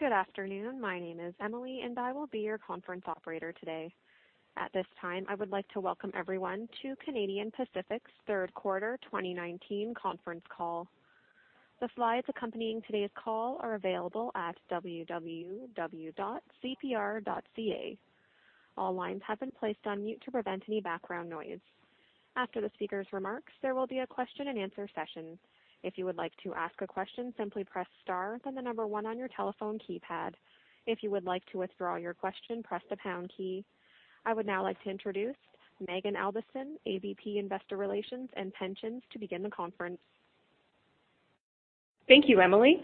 Good afternoon. My name is Emily, and I will be your conference operator today. At this time, I would like to welcome everyone to Canadian Pacific's third quarter 2019 conference call. The slides accompanying today's call are available at www.cpr.ca. All lines have been placed on mute to prevent any background noise. After the speaker's remarks, there will be a question and answer session. If you would like to ask a question, simply press star, then the number one on your telephone keypad. If you would like to withdraw your question, press the pound key. I would now like to introduce Maeghan Albiston, AVP, Investor Relations and Pensions, to begin the conference. Thank you, Emily.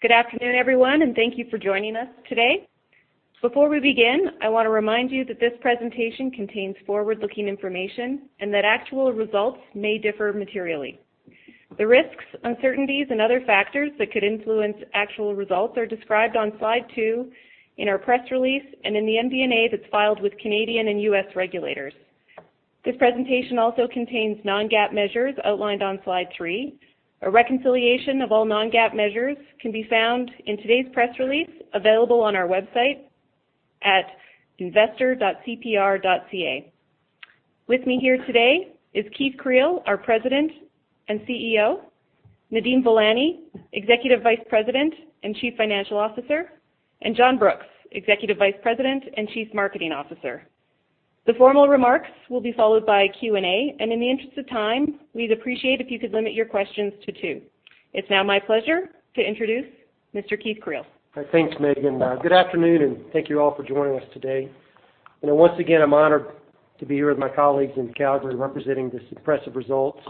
Good afternoon, everyone, and thank you for joining us today. Before we begin, I want to remind you that this presentation contains forward-looking information and that actual results may differ materially. The risks, uncertainties, and other factors that could influence actual results are described on slide two in our press release and in the MD&A that's filed with Canadian and U.S. regulators. This presentation also contains non-GAAP measures outlined on slide three. A reconciliation of all non-GAAP measures can be found in today's press release, available on our website at investor.cpr.ca. With me here today is Keith Creel, our President and CEO, Nadeem Velani, Executive Vice President and Chief Financial Officer, and John Brooks, Executive Vice President and Chief Marketing Officer. The formal remarks will be followed by a Q&A, and in the interest of time, we'd appreciate if you could limit your questions to two. It's now my pleasure to introduce Mr. Keith Creel. Thanks, Maeghan. Good afternoon, thank you all for joining us today. Once again, I'm honored to be here with my colleagues in Calgary representing this impressive results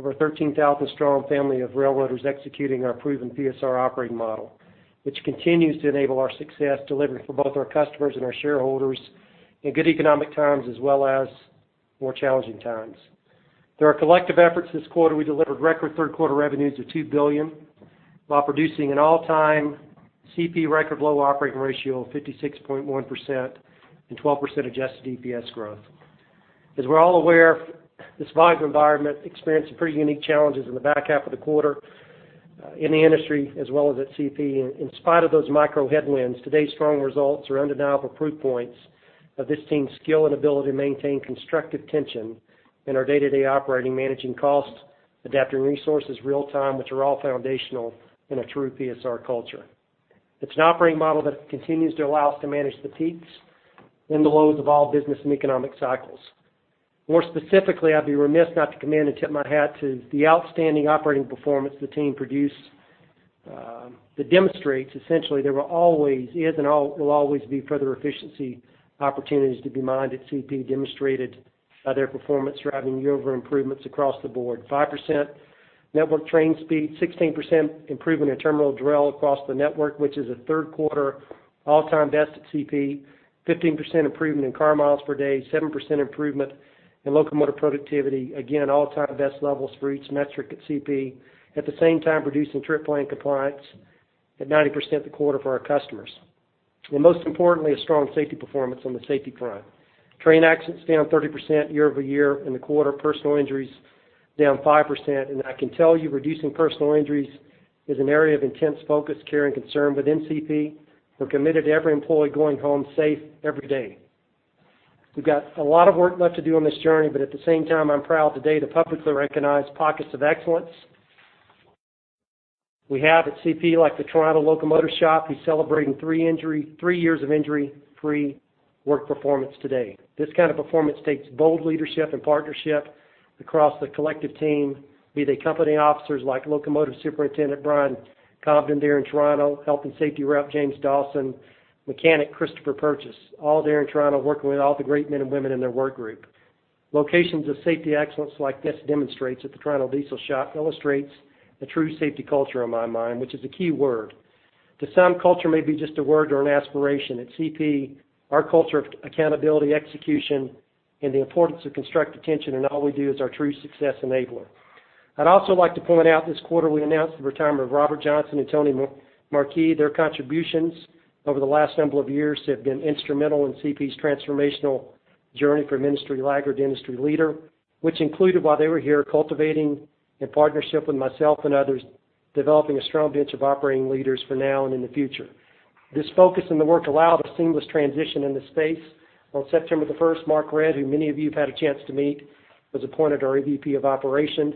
of our 13,000-strong family of railroaders executing our proven PSR operating model, which continues to enable our success delivering for both our customers and our shareholders in good economic times as well as more challenging times. Through our collective efforts this quarter, we delivered record third quarter revenues of 2 billion while producing an all-time CP record low operating ratio of 56.1% and 12% adjusted EPS growth. As we're all aware, this vibrant environment experienced some pretty unique challenges in the back half of the quarter in the industry as well as at CP. In spite of those macro headwinds, today's strong results are undeniable proof points of this team's skill and ability to maintain constructive tension in our day-to-day operating, managing costs, adapting resources real-time, which are all foundational in a true PSR culture. It's an operating model that continues to allow us to manage the peaks and the lows of all business and economic cycles. More specifically, I'd be remiss not to commend and tip my hat to the outstanding operating performance the team produced that demonstrates essentially there will always, is and will always be further efficiency opportunities to be mined at CP, demonstrated by their performance driving year-over improvements across the board. 5% network train speed, 16% improvement in terminal dwell across the network, which is a third quarter all-time best at CP, 15% improvement in car miles per day, 7% improvement in locomotive productivity, again, all-time best levels for each metric at CP, at the same time reducing trip plan compliance at 90% the quarter for our customers. Most importantly, a strong safety performance on the safety front. Train accidents down 30% year-over-year in the quarter, personal injuries down 5%. I can tell you reducing personal injuries is an area of intense focus, care, and concern within CP. We're committed to every employee going home safe every day. We've got a lot of work left to do on this journey. At the same time, I'm proud today to publicly recognize pockets of excellence we have at CP, like the Toronto Locomotive Shop, who's celebrating three years of injury-free work performance today. This kind of performance takes bold leadership and partnership across the collective team, be they company officers like Locomotive Superintendent Brian Cobden there in Toronto, Health and Safety Rep James Dawson, Mechanic Christopher Purchase, all there in Toronto working with all the great men and women in their work group. Locations of safety excellence like this demonstrates at the Toronto Diesel Shop illustrates a true safety culture in my mind, which is a key word. Culture may be just a word or an aspiration. At CP, our culture of accountability, execution, and the importance of constructive tension in all we do is our true success enabler. I'd also like to point out this quarter we announced the retirement of Robert Johnson and Tony Marquis. Their contributions over the last number of years have been instrumental in CP's transformational journey from industry laggard to industry leader, which included while they were here, cultivating in partnership with myself and others, developing a strong bench of operating leaders for now and in the future. This focus in the work allowed a seamless transition in the space. On September the 1st, Mark Redd, who many of you have had a chance to meet, was appointed our AVP of Operations.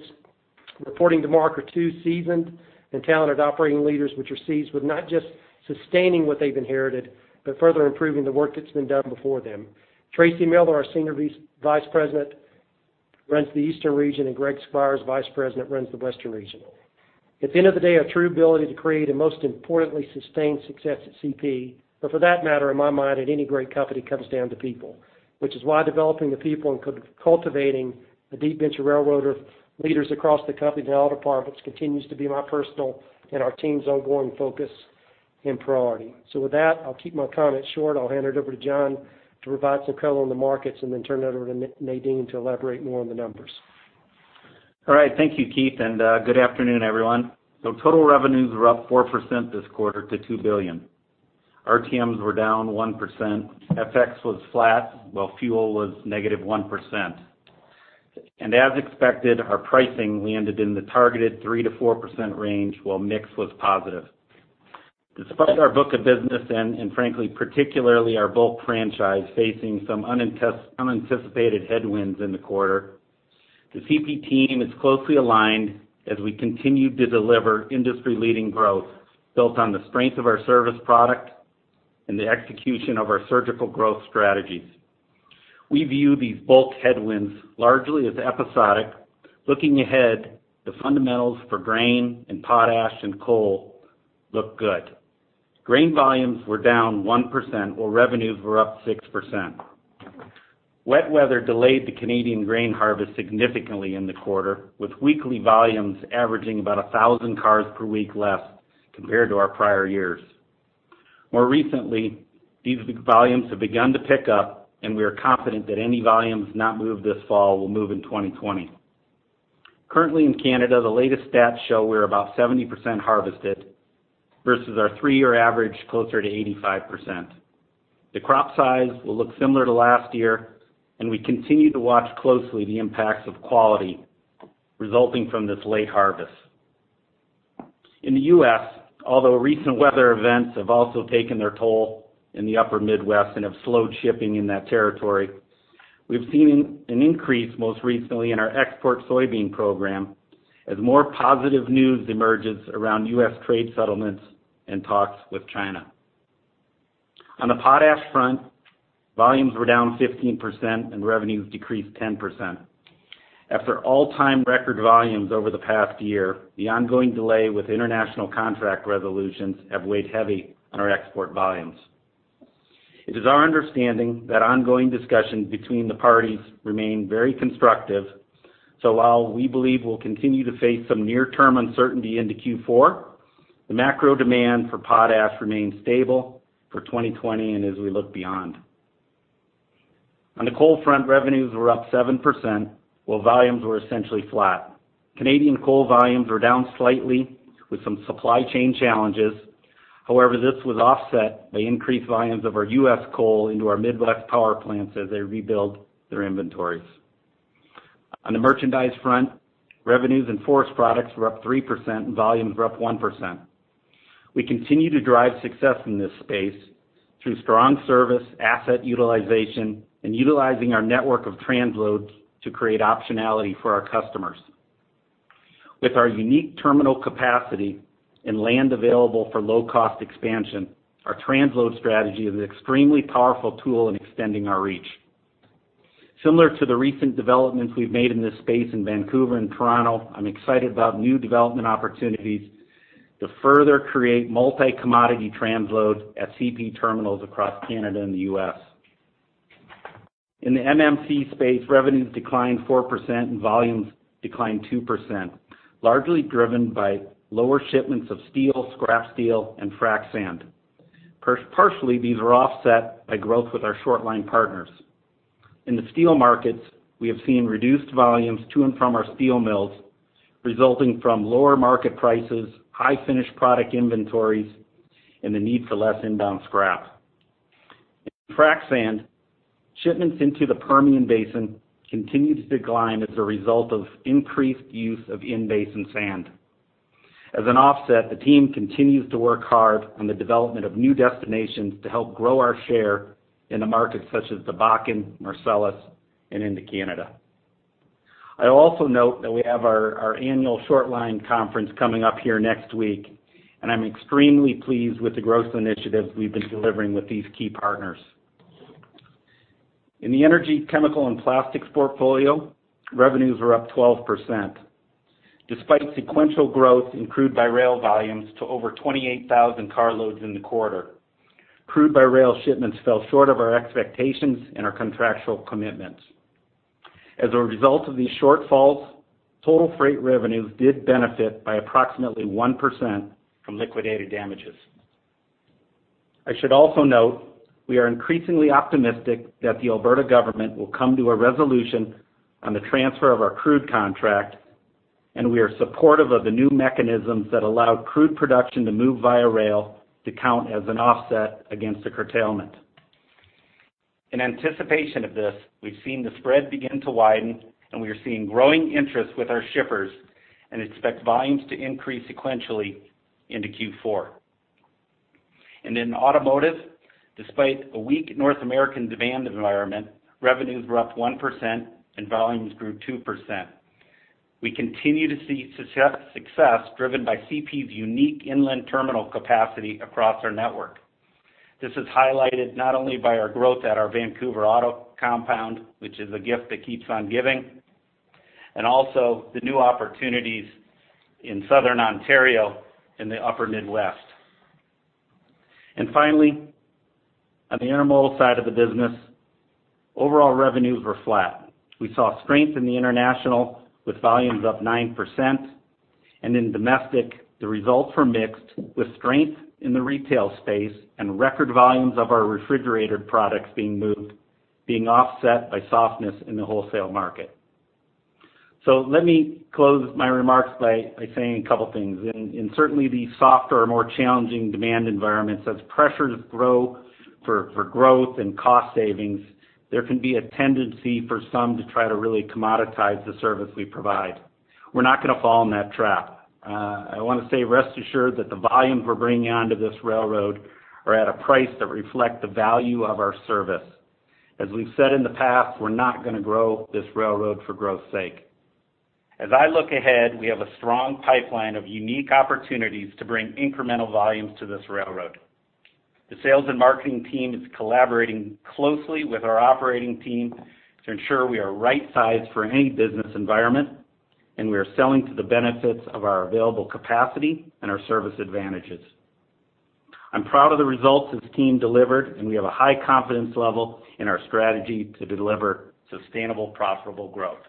Reporting to Mark are two seasoned and talented operating leaders, which are seized with not just sustaining what they've inherited, but further improving the work that's been done before them. Tracy Miller, our Senior Vice-President, runs the Eastern region, and Greg Squires, Vice-President, runs the Western region. At the end of the day, our true ability to create and most importantly, sustain success at CP, but for that matter, in my mind, at any great company, comes down to people, which is why developing the people and cultivating a deep bench of railroader leaders across the company in all departments continues to be my personal and our team's ongoing focus and priority. With that, I'll keep my comments short. I'll hand it over to John to provide some color on the markets and then turn it over to Nadeem to elaborate more on the numbers. All right. Thank you, Keith, and good afternoon, everyone. Total revenues were up 4% this quarter to 2 billion. RTMs were down 1%, FX was flat, while fuel was -1%. As expected, our pricing landed in the targeted 3%-4% range while mix was positive. Despite our book of business and frankly, particularly our bulk franchise facing some unanticipated headwinds in the quarter, the CP team is closely aligned as we continue to deliver industry-leading growth built on the strength of our service product and the execution of our surgical growth strategies. We view these bulk headwinds largely as episodic. Looking ahead, the fundamentals for grain and potash and coal look good. Grain volumes were down 1%, while revenues were up 6%. Wet weather delayed the Canadian grain harvest significantly in the quarter, with weekly volumes averaging about 1,000 cars per week less compared to our prior years. More recently, these volumes have begun to pick up, and we are confident that any volumes not moved this fall will move in 2020. Currently in Canada, the latest stats show we're about 70% harvested versus our three-year average closer to 85%. The crop size will look similar to last year, and we continue to watch closely the impacts of quality resulting from this late harvest. In the U.S., although recent weather events have also taken their toll in the upper Midwest and have slowed shipping in that territory, we've seen an increase most recently in our export soybean program as more positive news emerges around U.S. trade settlements and talks with China. On the potash front, volumes were down 15% and revenues decreased 10%. After all-time record volumes over the past year, the ongoing delay with international contract resolutions have weighed heavy on our export volumes. It is our understanding that ongoing discussions between the parties remain very constructive. While we believe we'll continue to face some near-term uncertainty into Q4, the macro demand for potash remains stable for 2020 and as we look beyond. On the coal front, revenues were up 7%, while volumes were essentially flat. Canadian coal volumes were down slightly with some supply chain challenges. However, this was offset by increased volumes of our U.S. coal into our Midwest power plants as they rebuild their inventories. On the merchandise front, revenues and forest products were up 3% and volumes were up 1%. We continue to drive success in this space through strong service, asset utilization, and utilizing our network of transloads to create optionality for our customers. With our unique terminal capacity and land available for low-cost expansion, our transload strategy is an extremely powerful tool in extending our reach. Similar to the recent developments we've made in this space in Vancouver and Toronto, I'm excited about new development opportunities to further create multi-commodity transloads at CP terminals across Canada and the U.S. In the MMC space, revenues declined 4% and volumes declined 2%, largely driven by lower shipments of steel, scrap steel, and frac sand. These were offset by growth with our shortline partners. In the steel markets, we have seen reduced volumes to and from our steel mills, resulting from lower market prices, high finished product inventories, and the need for less inbound scrap. In frac sand, shipments into the Permian Basin continued to decline as a result of increased use of in-basin sand. The team continues to work hard on the development of new destinations to help grow our share in the market such as the Bakken, Marcellus, and into Canada. I also note that we have our annual shortline conference coming up here next week, and I'm extremely pleased with the growth initiatives we've been delivering with these key partners. In the energy, chemical, and plastics portfolio, revenues were up 12%. Despite sequential growth in crude-by-rail volumes to over 28,000 carloads in the quarter, crude-by-rail shipments fell short of our expectations and our contractual commitments. As a result of these shortfalls, total freight revenues did benefit by approximately 1% from liquidated damages. I should also note, we are increasingly optimistic that the Alberta government will come to a resolution on the transfer of our crude contract, and we are supportive of the new mechanisms that allow crude production to move via rail to count as an offset against the curtailment. In anticipation of this, we've seen the spread begin to widen, and we are seeing growing interest with our shippers and expect volumes to increase sequentially into Q4. In automotive, despite a weak North American demand environment, revenues were up 1% and volumes grew 2%. We continue to see success driven by CP's unique inland terminal capacity across our network. This is highlighted not only by our growth at our Vancouver auto compound, which is a gift that keeps on giving, and also the new opportunities in Southern Ontario and the upper Midwest. Finally, on the intermodal side of the business, overall revenues were flat. We saw strength in the international with volumes up 9%, and in domestic, the results were mixed with strength in the retail space and record volumes of our refrigerated products being moved, being offset by softness in the wholesale market. Let me close my remarks by saying a couple things. In certainly the softer, more challenging demand environments, as pressures grow for growth and cost savings, there can be a tendency for some to try to really commoditize the service we provide. We're not going to fall in that trap. I want to say rest assured that the volumes we're bringing onto this railroad are at a price that reflect the value of our service. As we've said in the past, we're not going to grow this railroad for growth's sake. As I look ahead, we have a strong pipeline of unique opportunities to bring incremental volumes to this railroad. The sales and marketing team is collaborating closely with our operating team to ensure we are right-sized for any business environment, and we are selling to the benefits of our available capacity and our service advantages. I'm proud of the results this team delivered, and we have a high confidence level in our strategy to deliver sustainable, profitable growth.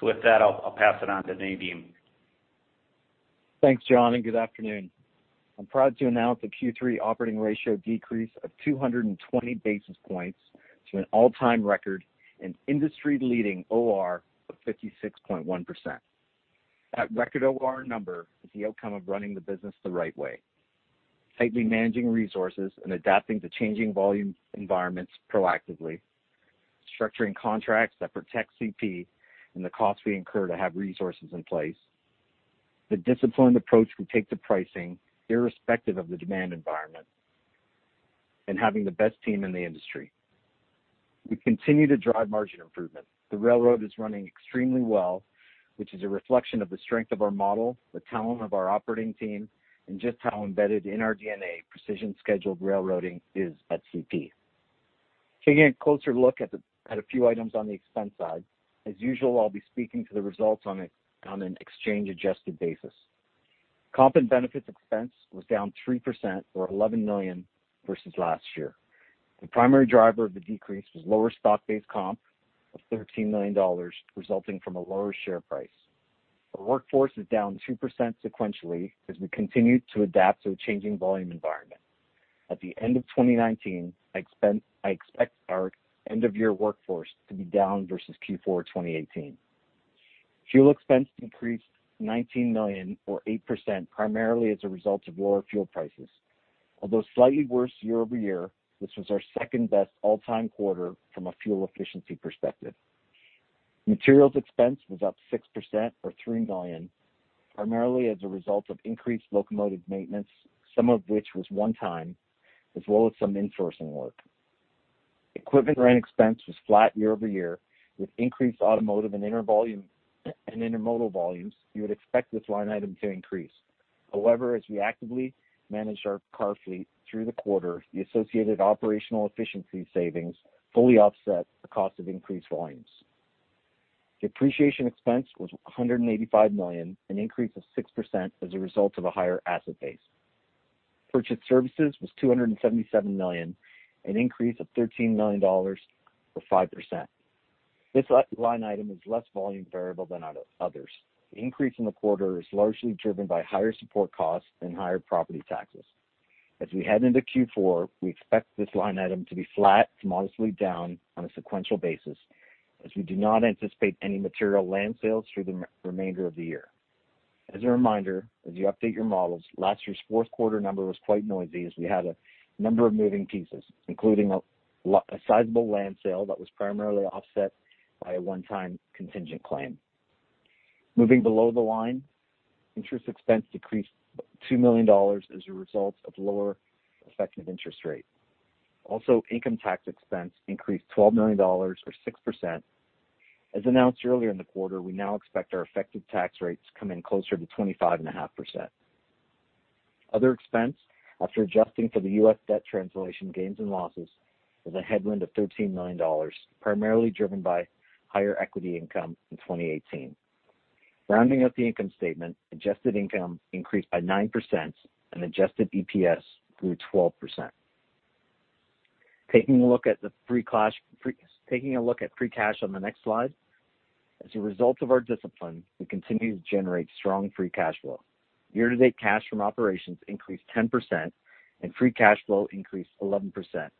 With that, I'll pass it on to Nadeem. Thanks, John. Good afternoon. I'm proud to announce a Q3 operating ratio decrease of 220 basis points to an all-time record and industry-leading OR of 56.1%. That record OR number is the outcome of running the business the right way, tightly managing resources, and adapting to changing volume environments proactively, structuring contracts that protect CP and the cost we incur to have resources in place, the disciplined approach we take to pricing, irrespective of the demand environment, and having the best team in the industry. We continue to drive margin improvement. The railroad is running extremely well, which is a reflection of the strength of our model, the talent of our operating team, and just how embedded in our DNA precision scheduled railroading is at CP. Taking a closer look at a few items on the expense side, as usual, I'll be speaking to the results on an exchange-adjusted basis. Comp and benefits expense was down 3% or 11 million versus last year. The primary driver of the decrease was lower stock-based comp of 13 million dollars, resulting from a lower share price. Our workforce is down 2% sequentially as we continue to adapt to a changing volume environment. At the end of 2019, I expect our end-of-year workforce to be down versus Q4 2018. Fuel expense increased 19 million or 8%, primarily as a result of lower fuel prices. Although slightly worse year-over-year, this was our second-best all-time quarter from a fuel efficiency perspective. Materials expense was up 6% or 3 million, primarily as a result of increased locomotive maintenance, some of which was one time, as well as some in-sourcing work. Equipment rent expense was flat year-over-year. With increased automotive and intermodal volumes, you would expect this line item to increase. However, as we actively managed our car fleet through the quarter, the associated operational efficiency savings fully offset the cost of increased volumes. Depreciation expense was 185 million, an increase of 6% as a result of a higher asset base. Purchased services was 277 million, an increase of 13 million dollars or 5%. This line item is less volume variable than others. The increase in the quarter is largely driven by higher support costs and higher property taxes. As we head into Q4, we expect this line item to be flat to modestly down on a sequential basis, as we do not anticipate any material land sales through the remainder of the year. As a reminder, as you update your models, last year's fourth quarter number was quite noisy as we had a number of moving pieces, including a sizable land sale that was primarily offset by a one-time contingent claim. Moving below the line, interest expense decreased 2 million dollars as a result of lower effective interest rate. Income tax expense increased 12 million dollars or 6%. As announced earlier in the quarter, we now expect our effective tax rates to come in closer to 25.5%. Other expense, after adjusting for the U.S. debt translation gains and losses, was a headwind of 13 million dollars, primarily driven by higher equity income in 2018. Rounding out the income statement, adjusted income increased by 9%, and adjusted EPS grew 12%. Taking a look at free cash on the next slide. As a result of our discipline, we continue to generate strong free cash flow. Year-to-date, cash from operations increased 10%, and free cash flow increased 11%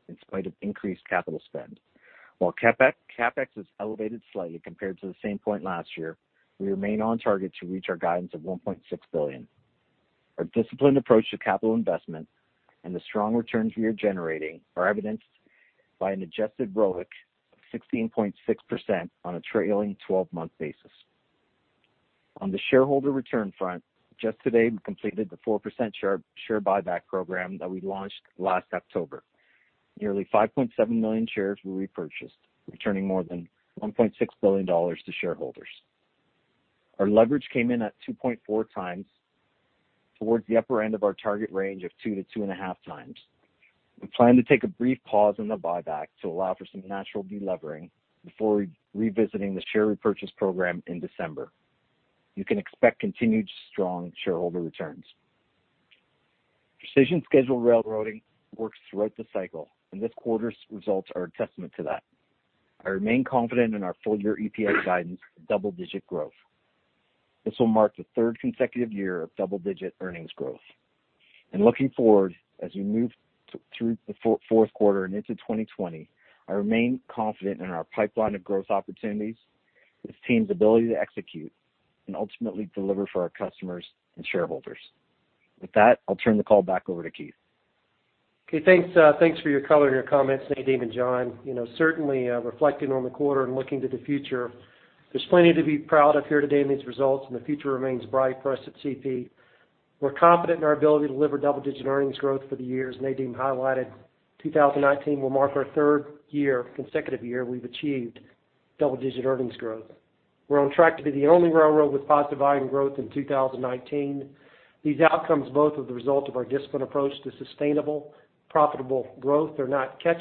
in spite of increased capital spend. While CapEx is elevated slightly compared to the same point last year, we remain on target to reach our guidance of 1.6 billion. Our disciplined approach to capital investment and the strong returns we are generating are evidenced by an adjusted ROIC of 16.6% on a trailing 12-month basis. On the shareholder return front, just today, we completed the 4% share buyback program that we launched last October. Nearly 5.7 million shares were repurchased, returning more than 1.6 billion dollars to shareholders. Our leverage came in at 2.4 times towards the upper end of our target range of 2 to 2.5 times. We plan to take a brief pause on the buyback to allow for some natural de-levering before revisiting the share repurchase program in December. You can expect continued strong shareholder returns. Precision Scheduled Railroading works throughout the cycle, and this quarter's results are a testament to that. I remain confident in our full-year EPS guidance of double-digit growth. This will mark the third consecutive year of double-digit earnings growth. Looking forward, as we move through the fourth quarter and into 2020, I remain confident in our pipeline of growth opportunities, this team's ability to execute, and ultimately deliver for our customers and shareholders. With that, I'll turn the call back over to Keith. Okay, thanks for your color and your comments, Nadeem and John. Certainly, reflecting on the quarter and looking to the future, there's plenty to be proud of here today in these results. The future remains bright for us at CP. We're confident in our ability to deliver double-digit earnings growth for the year. As Nadeem highlighted, 2019 will mark our third consecutive year we've achieved double-digit earnings growth. We're on track to be the only railroad with positive volume growth in 2019. These outcomes both are the result of our disciplined approach to sustainable, profitable growth. They're not catch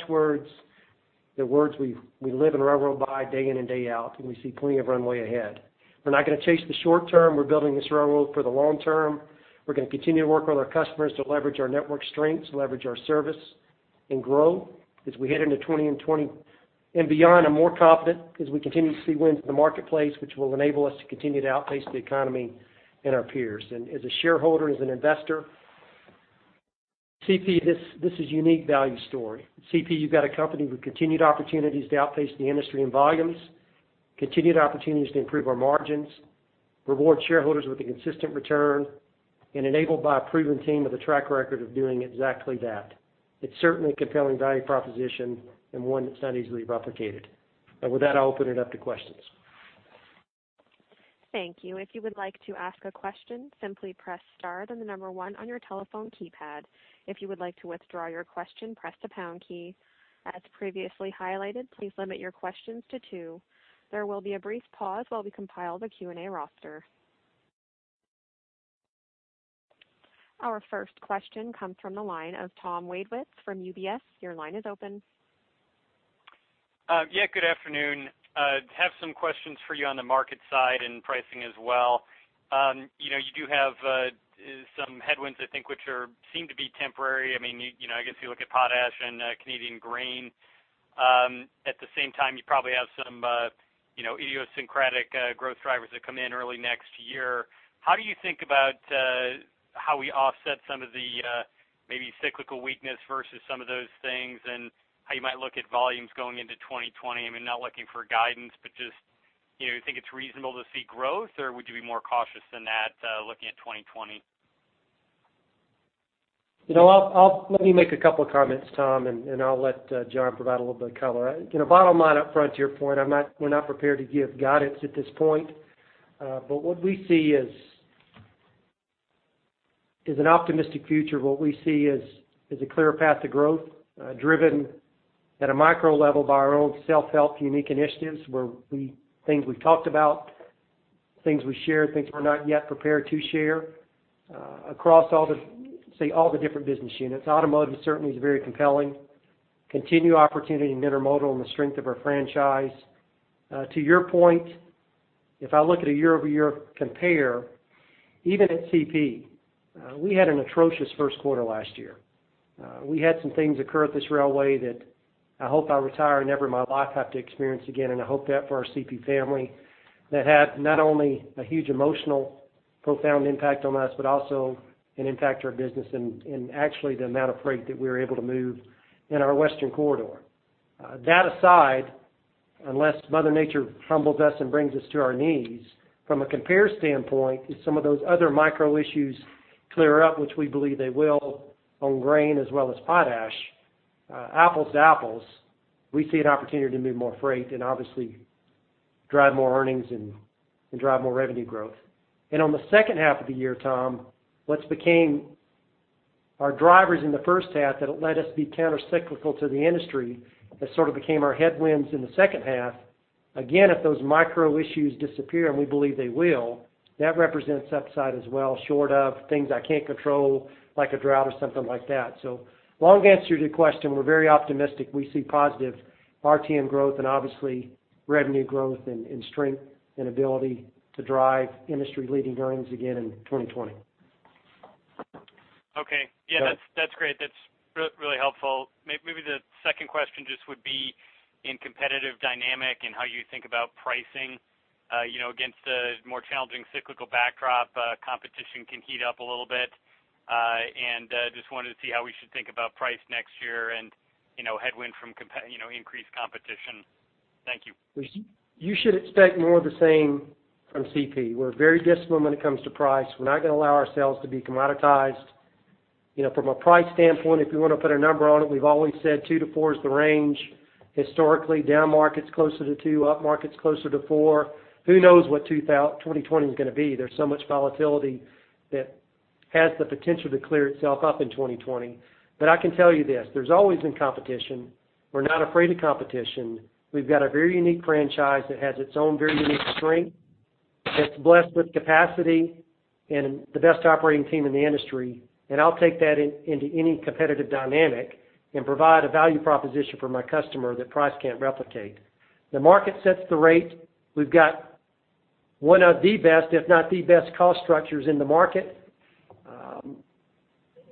words. They're words we live and railroad by day in and day out. We see plenty of runway ahead. We're not going to chase the short term. We're building this railroad for the long term. We're going to continue to work with our customers to leverage our network strengths, leverage our service, and grow. As we head into 2020 and beyond, I'm more confident as we continue to see wins in the marketplace, which will enable us to continue to outpace the economy and our peers. As a shareholder, as an investor, CP, this is a unique value story. At CP, you've got a company with continued opportunities to outpace the industry in volumes, continued opportunities to improve our margins, reward shareholders with a consistent return, and enabled by a proven team with a track record of doing exactly that. It's certainly a compelling value proposition and one that's not easily replicated. With that, I'll open it up to questions. Thank you. If you would like to ask a question, simply press star, then the number one on your telephone keypad. If you would like to withdraw your question, press the pound key. As previously highlighted, please limit your questions to two. There will be a brief pause while we compile the Q&A roster. Our first question comes from the line of Thomas Wadewitz from UBS. Your line is open. Yeah, good afternoon. Have some questions for you on the market side and pricing as well. You do have some headwinds, I think, which seem to be temporary. I guess you look at potash and Canadian grain. At the same time, you probably have some idiosyncratic growth drivers that come in early next year. How do you think about how we offset some of the maybe cyclical weakness versus some of those things and how you might look at volumes going into 2020? I mean, not looking for guidance, but just, do you think it's reasonable to see growth, or would you be more cautious than that looking at 2020? Let me make a couple of comments, Tom, and I'll let John provide a little bit of color. Bottom line up front to your point, we're not prepared to give guidance at this point. What we see is an optimistic future. What we see is a clear path to growth, driven at a micro level by our own self-help unique initiatives, where things we've talked about, things we've shared, things we're not yet prepared to share, across all the different business units. Automotive certainly is very compelling. Continued opportunity in intermodal and the strength of our franchise. To your point, if I look at a year-over-year compare, even at CP, we had an atrocious first quarter last year. We had some things occur at this railway that I hope I retire and never in my life have to experience again, and I hope that for our CP family. That had not only a huge emotional, profound impact on us, but also an impact to our business and actually the amount of freight that we were able to move in our Western corridor. That aside, unless Mother Nature humbles us and brings us to our knees, from a compare standpoint, if some of those other micro issues clear up, which we believe they will on grain as well as potash, apples to apples, we see an opportunity to move more freight and obviously drive more earnings and drive more revenue growth. On the second half of the year, Tom, what became our drivers in the first half that let us be countercyclical to the industry, that sort of became our headwinds in the second half. If those micro issues disappear, and we believe they will, that represents upside as well, short of things I can't control, like a drought or something like that. Long answer to your question, we're very optimistic. We see positive RTM growth and obviously revenue growth and strength and ability to drive industry-leading earnings again in 2020. Okay. Yeah, that's great. That's really helpful. Maybe the second question just would be in competitive dynamic and how you think about pricing against a more challenging cyclical backdrop. Competition can heat up a little bit. Just wanted to see how we should think about price next year and headwind from increased competition. Thank you. You should expect more of the same from CP. We're very disciplined when it comes to price. We're not going to allow ourselves to be commoditized. From a price standpoint, if you want to put a number on it, we've always said two to four is the range. Historically, down market's closer to two, up market's closer to four. Who knows what 2020 is going to be? There's so much volatility that has the potential to clear itself up in 2020. I can tell you this, there's always been competition. We're not afraid of competition. We've got a very unique franchise that has its own very unique strength, that's blessed with capacity and the best operating team in the industry. I'll take that into any competitive dynamic and provide a value proposition for my customer that price can't replicate. The market sets the rate. We've got one of the best, if not the best cost structures in the market.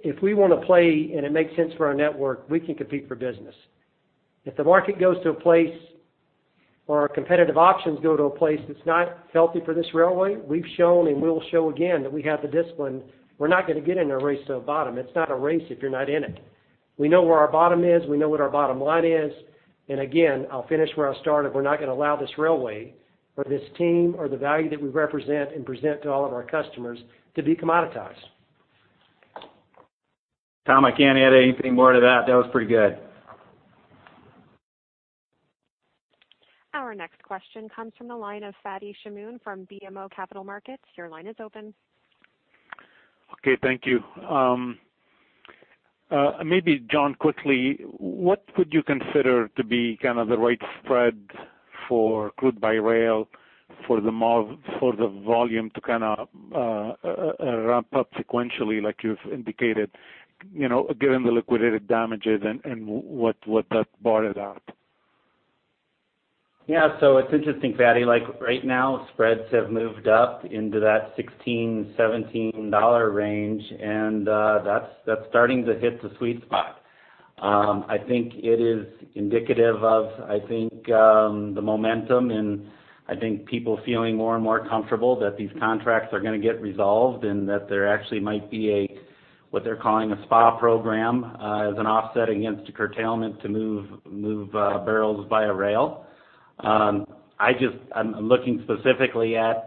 If we want to play and it makes sense for our network, we can compete for business. If the market goes to a place or our competitive options go to a place that's not healthy for this railway, we've shown and will show again that we have the discipline. We're not going to get in a race to the bottom. It's not a race if you're not in it. We know where our bottom is, we know what our bottom line is, and again, I'll finish where I started. We're not going to allow this railway or this team or the value that we represent and present to all of our customers to be commoditized. Tom, I can't add anything more to that. That was pretty good. Our next question comes from the line of Fadi Chamoun from BMO Capital Markets. Your line is open. Okay, thank you. Maybe John, quickly, what would you consider to be the right spread for crude by rail for the volume to ramp up sequentially, like you've indicated, given the liquidated damages and what that brought it out? It's interesting, Fadi, right now spreads have moved up into that 16-17 dollar range, and that's starting to hit the sweet spot. I think it is indicative of the momentum and people feeling more and more comfortable that these contracts are going to get resolved and that there actually might be what they're calling a Special Allowance Program as an offset against a curtailment to move barrels via rail. I'm looking specifically at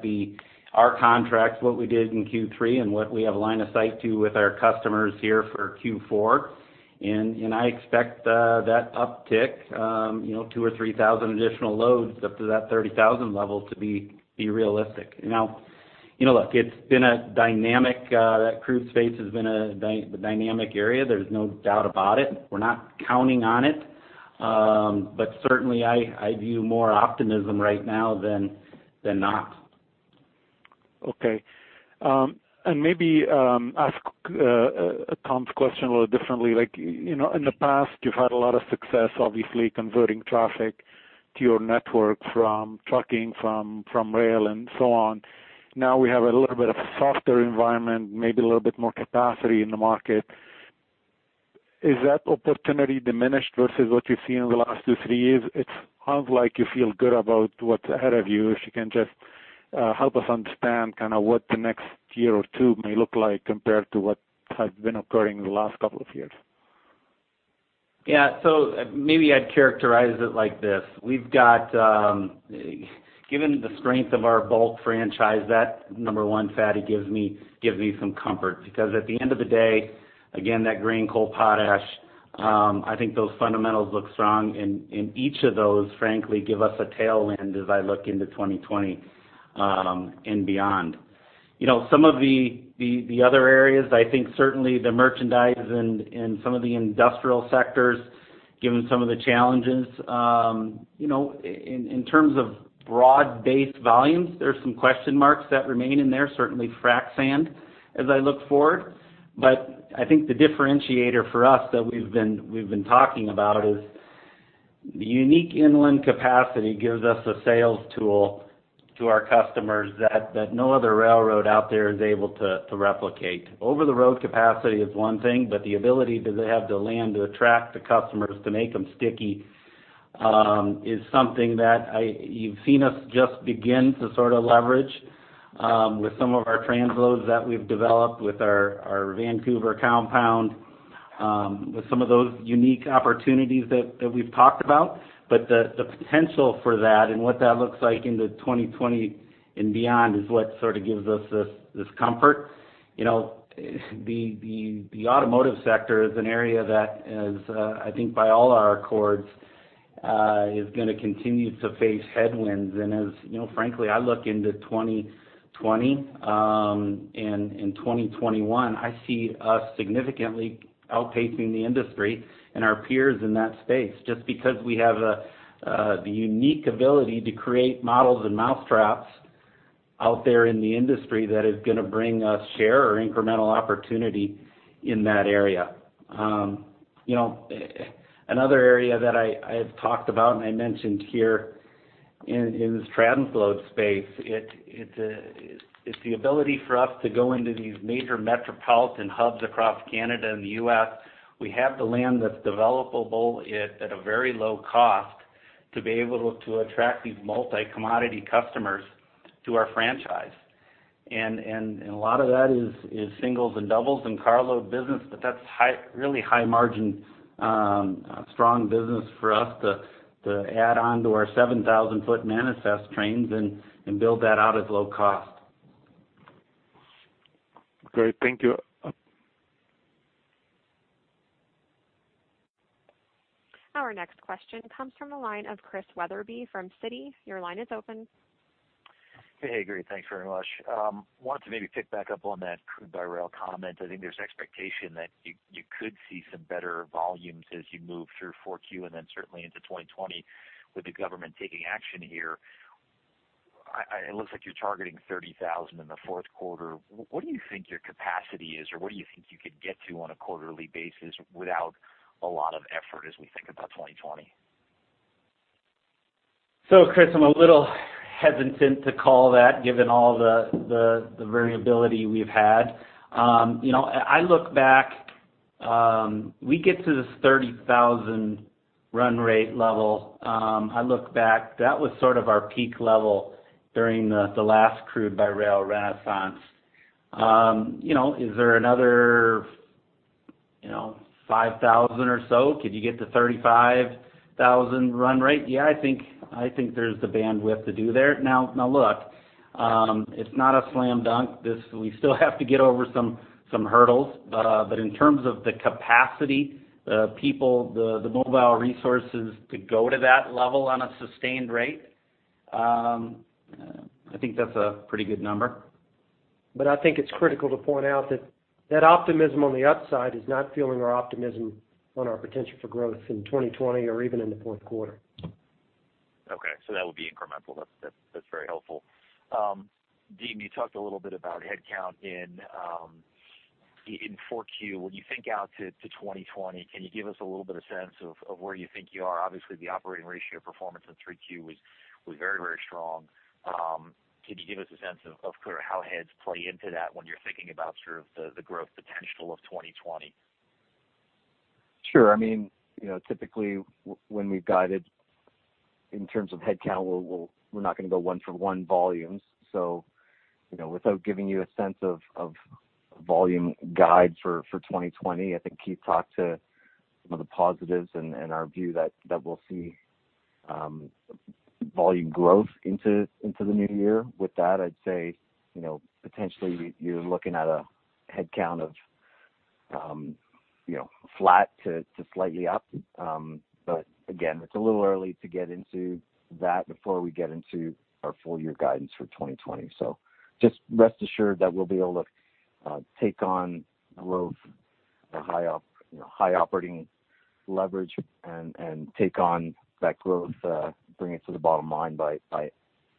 our contracts, what we did in Q3, and what we have a line of sight to with our customers here for Q4. I expect that uptick to be realistic. Now, look, that crude space has been a dynamic area. There's no doubt about it. We're not counting on it. Okay. Maybe ask Tom's question a little differently. In the past, you've had a lot of success, obviously, converting traffic to your network from trucking, from rail, and so on. Now we have a little bit of a softer environment, maybe a little bit more capacity in the market. Is that opportunity diminished versus what you've seen in the last two, three years? It sounds like you feel good about what's ahead of you. If you can just help us understand what the next year or two may look like compared to what has been occurring in the last couple of years. Maybe I'd characterize it like this. Given the strength of our bulk franchise, that, number one, Fadi, gives me some comfort because at the end of the day, again, that grain, coal, potash, I think those fundamentals look strong and each of those, frankly, give us a tailwind as I look into 2020 and beyond. Some of the other areas, I think certainly the merchandise and some of the industrial sectors, given some of the challenges, in terms of broad-based volumes, there's some question marks that remain in there, certainly frac sand, as I look forward. I think the differentiator for us that we've been talking about is the unique inland capacity gives us a sales tool to our customers that no other railroad out there is able to replicate. Over-the-road capacity is one thing, but the ability to have the land to attract the customers to make them sticky is something that you've seen us just begin to leverage with some of our transloads that we've developed with our Vancouver compound, with some of those unique opportunities that we've talked about. The potential for that and what that looks like into 2020 and beyond is what gives us this comfort. The automotive sector is an area that is, I think by all our accords, is going to continue to face headwinds. As frankly, I look into 2020 and 2021, I see us significantly outpacing the industry and our peers in that space just because we have the unique ability to create models and mousetraps out there in the industry that is going to bring us share or incremental opportunity in that area. Another area that I have talked about and I mentioned here in this transload space, it's the ability for us to go into these major metropolitan hubs across Canada and the U.S. We have the land that's developable at a very low cost to be able to attract these multi-commodity customers to our franchise. A lot of that is singles and doubles and carload business, but that's really high margin, strong business for us to add on to our 7,000 foot manifest trains and build that out at low cost. Great. Thank you. Our next question comes from the line of Chris Wetherbee from Citi. Your line is open. Hey, great. Thanks very much. Wanted to maybe pick back up on that crude by rail comment. I think there's expectation that you could see some better volumes as you move through 4Q and then certainly into 2020 with the government taking action here. It looks like you're targeting 30,000 in the fourth quarter. What do you think your capacity is, or what do you think you could get to on a quarterly basis without a lot of effort as we think about 2020? Chris, I'm a little hesitant to call that given all the variability we've had. I look back, we get to this 30,000 run rate level. I look back, that was sort of our peak level during the last crude by rail renaissance. Is there another 5,000 or so? Could you get to 35,000 run rate? Yeah, I think there's the bandwidth to do there. Now, look, it's not a slam dunk. We still have to get over some hurdles. In terms of the capacity, the people, the mobile resources to go to that level on a sustained rate, I think that's a pretty good number. I think it's critical to point out that that optimism on the upside is not fueling our optimism on our potential for growth in 2020 or even in the fourth quarter. Okay, that would be incremental. That's very helpful. Nadeem, you talked a little bit about headcount in 4Q. When you think out to 2020, can you give us a little bit of sense of where you think you are? Obviously, the operating ratio performance in 3Q was very strong. Can you give us a sense of sort of how heads play into that when you're thinking about sort of the growth potential of 2020? Sure. Typically, when we've guided in terms of headcount, we're not going to go one for one volumes. Without giving you a sense of volume guide for 2020, I think Keith talked to some of the positives and our view that we'll see volume growth into the new year. With that, I'd say, potentially you're looking at a headcount of flat to slightly up. Again, it's a little early to get into that before we get into our full year guidance for 2020. Just rest assured that we'll be able to take on growth, high operating leverage and take on that growth, bring it to the bottom line by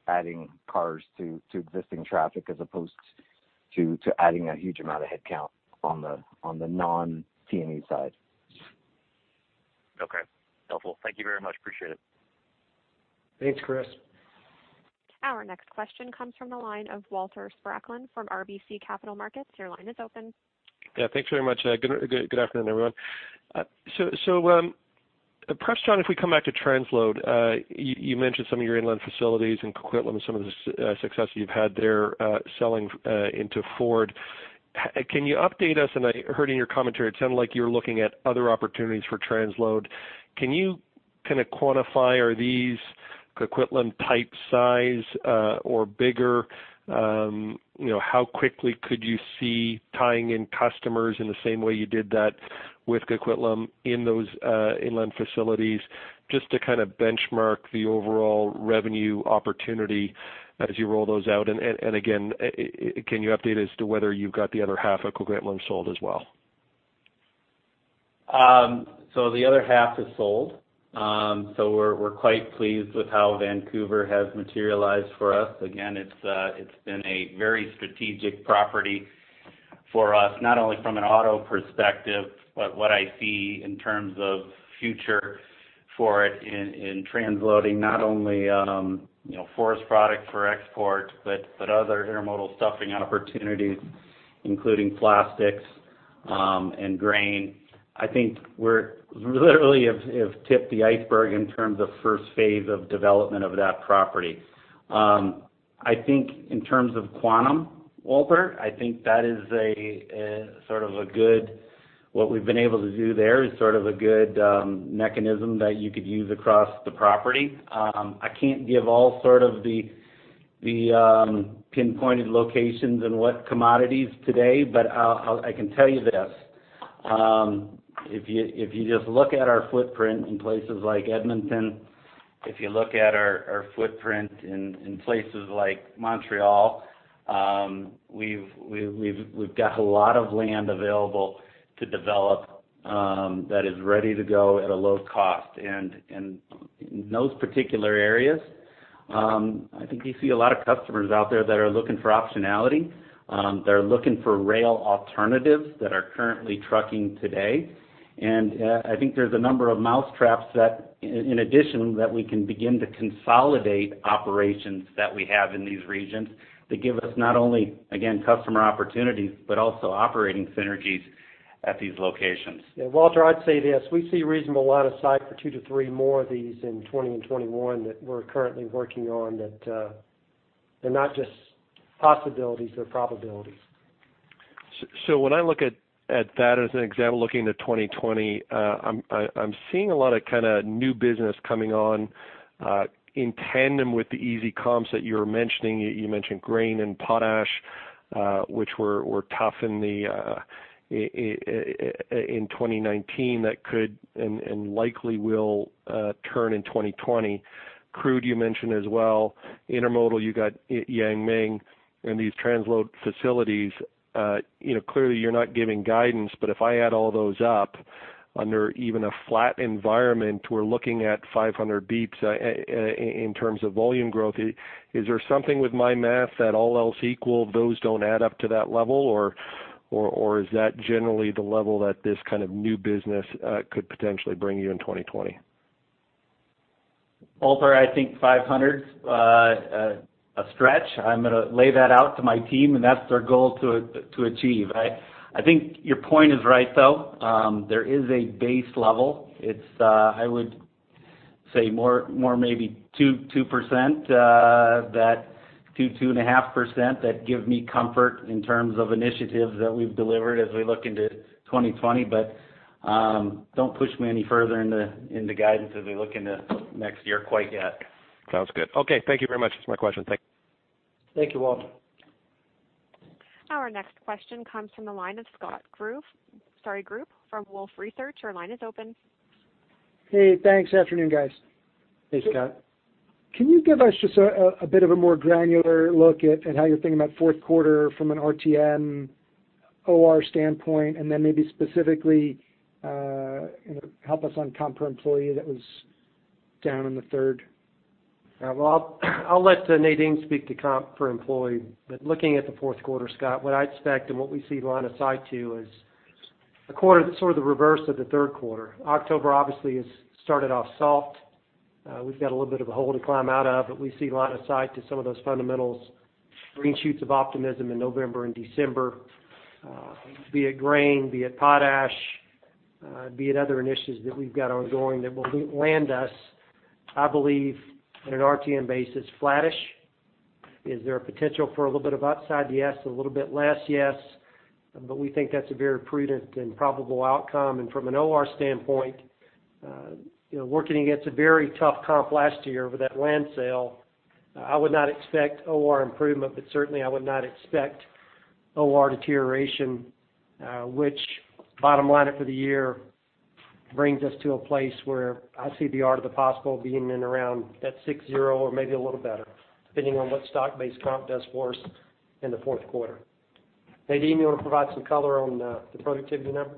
adding cars to existing traffic as opposed to adding a huge amount of headcount on the non-T&E side. Okay. Helpful. Thank you very much. Appreciate it. Thanks, Chris. Our next question comes from the line of Walter Spracklin from RBC Capital Markets. Your line is open. Yeah, thanks very much. Good afternoon, everyone. Preston, if we come back to transload, you mentioned some of your inland facilities in Coquitlam and some of the success you've had there, selling into Ford. Can you update us? I heard in your commentary, it sounded like you were looking at other opportunities for transload. Can you kind of quantify, are these Coquitlam type size, or bigger? How quickly could you see tying in customers in the same way you did that with Coquitlam in those inland facilities, just to kind of benchmark the overall revenue opportunity as you roll those out? Again, can you update us to whether you've got the other half of Coquitlam sold as well? The other half is sold. We're quite pleased with how Vancouver has materialized for us. Again, it's been a very strategic property for us, not only from an auto perspective, but what I see in terms of future for it in transloading, not only forest product for export, but other intermodal stuffing opportunities, including plastics and grain. I think we literally have tipped the iceberg in terms of first phase of development of that property. I think in terms of quantum, Walter, I think what we've been able to do there is sort of a good mechanism that you could use across the property. I can't give all sort of the pinpointed locations and what commodities today, but I can tell you this. If you just look at our footprint in places like Edmonton, if you look at our footprint in places like Montreal, we've got a lot of land available to develop that is ready to go at a low cost. In those particular areas, I think you see a lot of customers out there that are looking for optionality. They're looking for rail alternatives that are currently trucking today. I think there's a number of mousetraps that, in addition, that we can begin to consolidate operations that we have in these regions that give us not only, again, customer opportunities, but also operating synergies at these locations. Yeah, Walter, I'd say this. We see reasonable line of sight for two to three more of these in 2020 and 2021 that we're currently working on, that they're not just possibilities, they're probabilities. When I look at that as an example, looking to 2020, I'm seeing a lot of new business coming on in tandem with the easy comps that you were mentioning. You mentioned grain and potash, which were tough in 2019, that could and likely will turn in 2020. Crude you mentioned as well. Intermodal, you got Yang Ming and these transload facilities. Clearly you're not giving guidance, but if I add all those up under even a flat environment, we're looking at 500 basis points in terms of volume growth. Is there something with my math that all else equal, those don't add up to that level? Is that generally the level that this kind of new business could potentially bring you in 2020? Walter, I think 500's a stretch. I'm going to lay that out to my team, and that's their goal to achieve. I think your point is right, though. There is a base level. It's, I would say more maybe 2%, that 2.5% that give me comfort in terms of initiatives that we've delivered as we look into 2020. Don't push me any further into guidance as we look into next year quite yet. Sounds good. Okay. Thank you very much. That's my question. Thank you. Thank you, Walter. Our next question comes from the line of Scott Group, sorry, Group from Wolfe Research. Your line is open. Hey, thanks. Afternoon, guys. Hey, Scott. Can you give us just a bit of a more granular look at how you're thinking about fourth quarter from an RTM OR standpoint, and then maybe specifically help us on comp per employee that was down in the third? Well, I'll let Nadeem speak to comp per employee. Looking at the fourth quarter, Scott, what I expect and what we see line of sight to is a quarter that's sort of the reverse of the third quarter. October obviously has started off soft. We've got a little bit of a hole to climb out of, but we see line of sight to some of those fundamentals, green shoots of optimism in November and December be it grain, be it potash, be it other initiatives that we've got ongoing that will land us. I believe on an RTM basis, flattish. Is there a potential for a little bit of upside? Yes. A little bit less? Yes. We think that's a very prudent and probable outcome. From an OR standpoint, working against a very tough comp last year with that land sale, I would not expect OR improvement, but certainly I would not expect OR deterioration, which bottom line it for the year brings us to a place where I see the art of the possible being in around that 60 or maybe a little better, depending on what stock-based comp does for us in the fourth quarter. Nadeem, do you want to provide some color on the productivity number?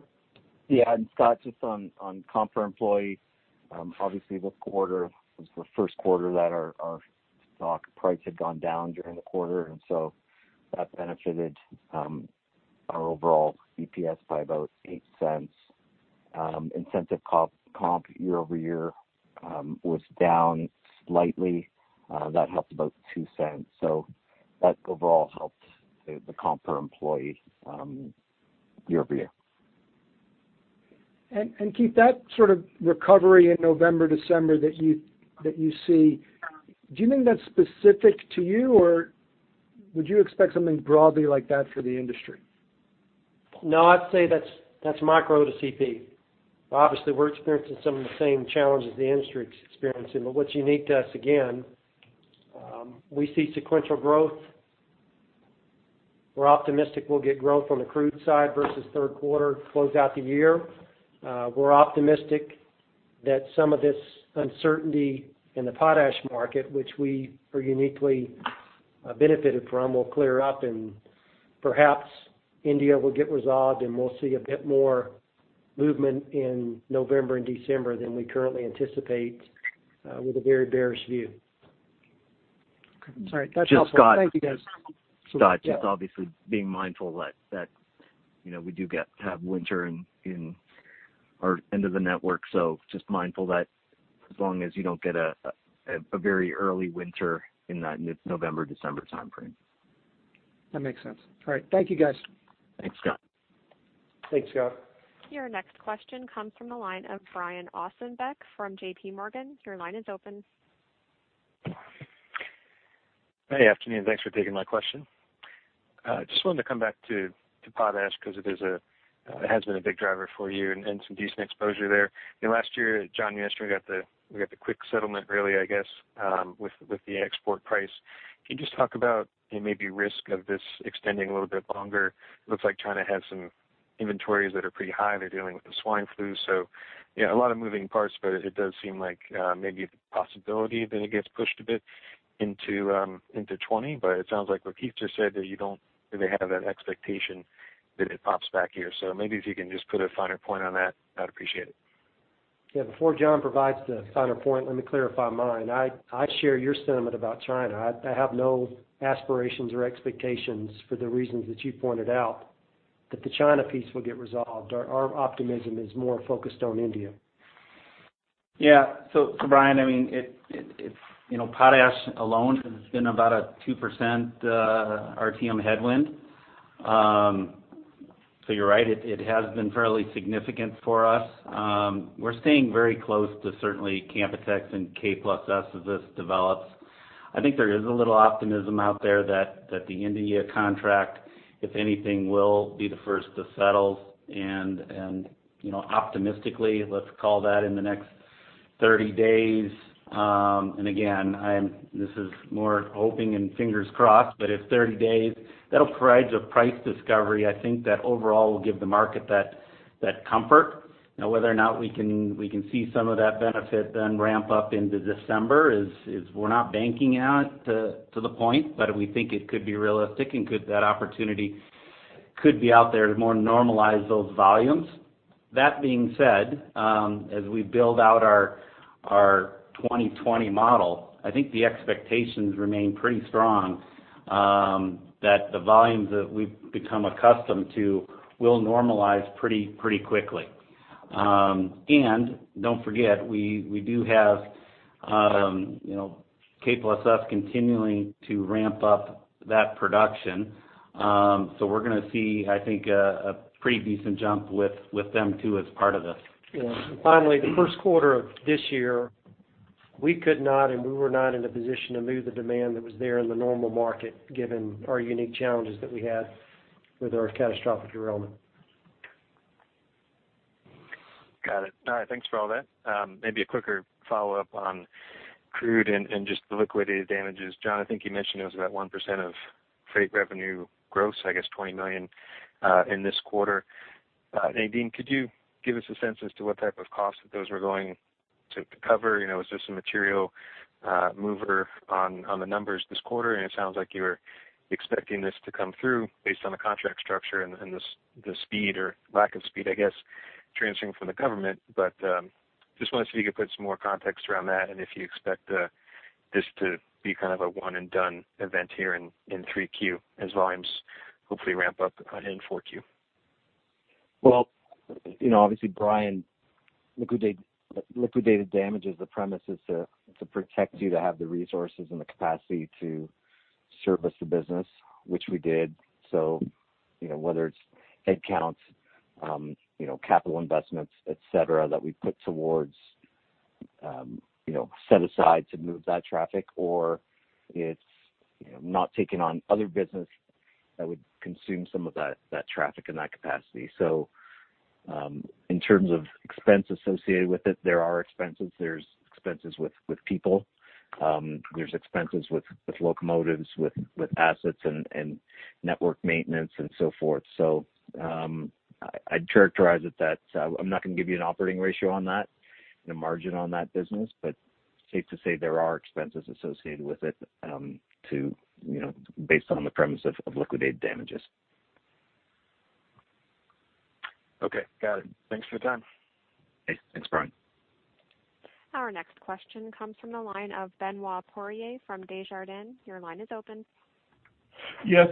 Yeah. Scott, just on comp per employee. Obviously, this quarter was the first quarter that our stock price had gone down during the quarter, that benefited our overall EPS by about 0.08. Incentive comp year-over-year was down slightly. That helped about 0.02. That overall helped the comp per employee year-over-year. Keith, that sort of recovery in November, December that you see, do you think that's specific to you, or would you expect something broadly like that for the industry? I'd say that's micro to CP. Obviously, we're experiencing some of the same challenges the industry's experiencing. What's unique to us again, we see sequential growth. We're optimistic we'll get growth on the crude side versus third quarter closeout the year. We're optimistic that some of this uncertainty in the potash market, which we are uniquely benefited from, will clear up and perhaps India will get resolved, and we'll see a bit more movement in November and December than we currently anticipate with a very bearish view. Okay. All right. That's helpful. Thank you, guys. Just Scott. Yeah. Scott, just obviously being mindful that we do have winter in our end of the network. Just mindful that as long as you don't get a very early winter in that mid-November, December timeframe. That makes sense. All right. Thank you, guys. Thanks, Scott. Thanks, Scott. Your next question comes from the line of Brian Ossenbeck from JPMorgan. Your line is open. Hey, afternoon. Thanks for taking my question. Just wanted to come back to potash because it has been a big driver for you and some decent exposure there. Last year, John, you and I got the quick settlement early, I guess, with the export price. Can you just talk about maybe risk of this extending a little bit longer? Looks like China has some inventories that are pretty high. They're dealing with the swine flu, so a lot of moving parts, but it does seem like maybe a possibility that it gets pushed a bit into 2020. It sounds like what Keith just said, that you don't really have that expectation that it pops back here. Maybe if you can just put a finer point on that, I'd appreciate it. Yeah. Before John provides the finer point, let me clarify mine. I share your sentiment about China. I have no aspirations or expectations for the reasons that you pointed out that the China piece will get resolved. Our optimism is more focused on India. Yeah. Brian, potash alone has been about a 2% RTM headwind. You're right. It has been fairly significant for us. We're staying very close to certainly Canpotex and K+S as this develops. I think there is a little optimism out there that the India contract, if anything, will be the first to settle and optimistically, let's call that in the next 30 days. Again, this is more hoping and fingers crossed, but if 30 days, that'll provide the price discovery, I think that overall will give the market that comfort. Whether or not we can see some of that benefit then ramp up into December is we're not banking on it to the point, but we think it could be realistic and that opportunity could be out there to more normalize those volumes. That being said, as we build out our 2020 model, I think the expectations remain pretty strong that the volumes that we've become accustomed to will normalize pretty quickly. Don't forget, we do have K+S continuing to ramp up that production. We're going to see, I think, a pretty decent jump with them too as part of this. Yeah. Finally, the first quarter of this year, we could not, and we were not in a position to move the demand that was there in the normal market, given our unique challenges that we had with our catastrophic derailment. Got it. All right. Thanks for all that. Maybe a quicker follow-up on crude and just the liquidated damages. John, I think you mentioned it was about 1% of freight revenue gross, I guess 20 million in this quarter. Nadeem, could you give us a sense as to what type of costs that those were going to cover? Is this a material mover on the numbers this quarter? It sounds like you were expecting this to come through based on the contract structure and the speed or lack of speed, I guess, transferring from the government. Just wondered if you could put some more context around that and if you expect this to be kind of a one and done event here in 3Q as volumes hopefully ramp up in 4Q. Obviously, Brian, liquidated damages, the premise is to protect you to have the resources and the capacity to service the business, which we did. Whether it's headcounts, capital investments, et cetera, that we put towards set aside to move that traffic, or it's not taking on other business that would consume some of that traffic and that capacity. In terms of expense associated with it, there are expenses. There's expenses with people, there's expenses with locomotives, with assets and network maintenance and so forth. I'd characterize it that I'm not going to give you an operating ratio on that and a margin on that business. Safe to say there are expenses associated with it based on the premise of liquidated damages. Okay. Got it. Thanks for your time. Thanks, Brian. Our next question comes from the line of Benoit Poirier from Desjardins. Your line is open. Yes.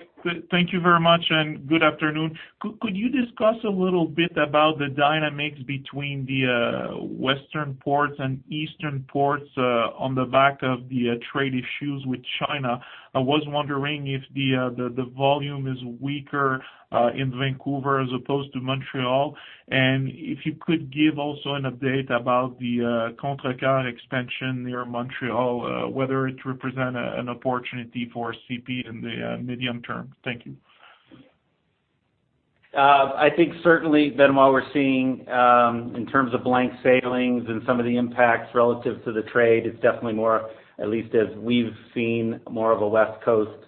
Thank you very much. Good afternoon. Could you discuss a little bit about the dynamics between the western ports and eastern ports on the back of the trade issues with China? I was wondering if the volume is weaker in Vancouver as opposed to Montreal, and if you could give also an update about the Contrecoeur expansion near Montreal whether it represent an opportunity for CP in the medium term. Thank you. I think certainly, Benoit, we're seeing, in terms of blank sailings and some of the impacts relative to the trade, it's definitely more, at least as we've seen, more of a West Coast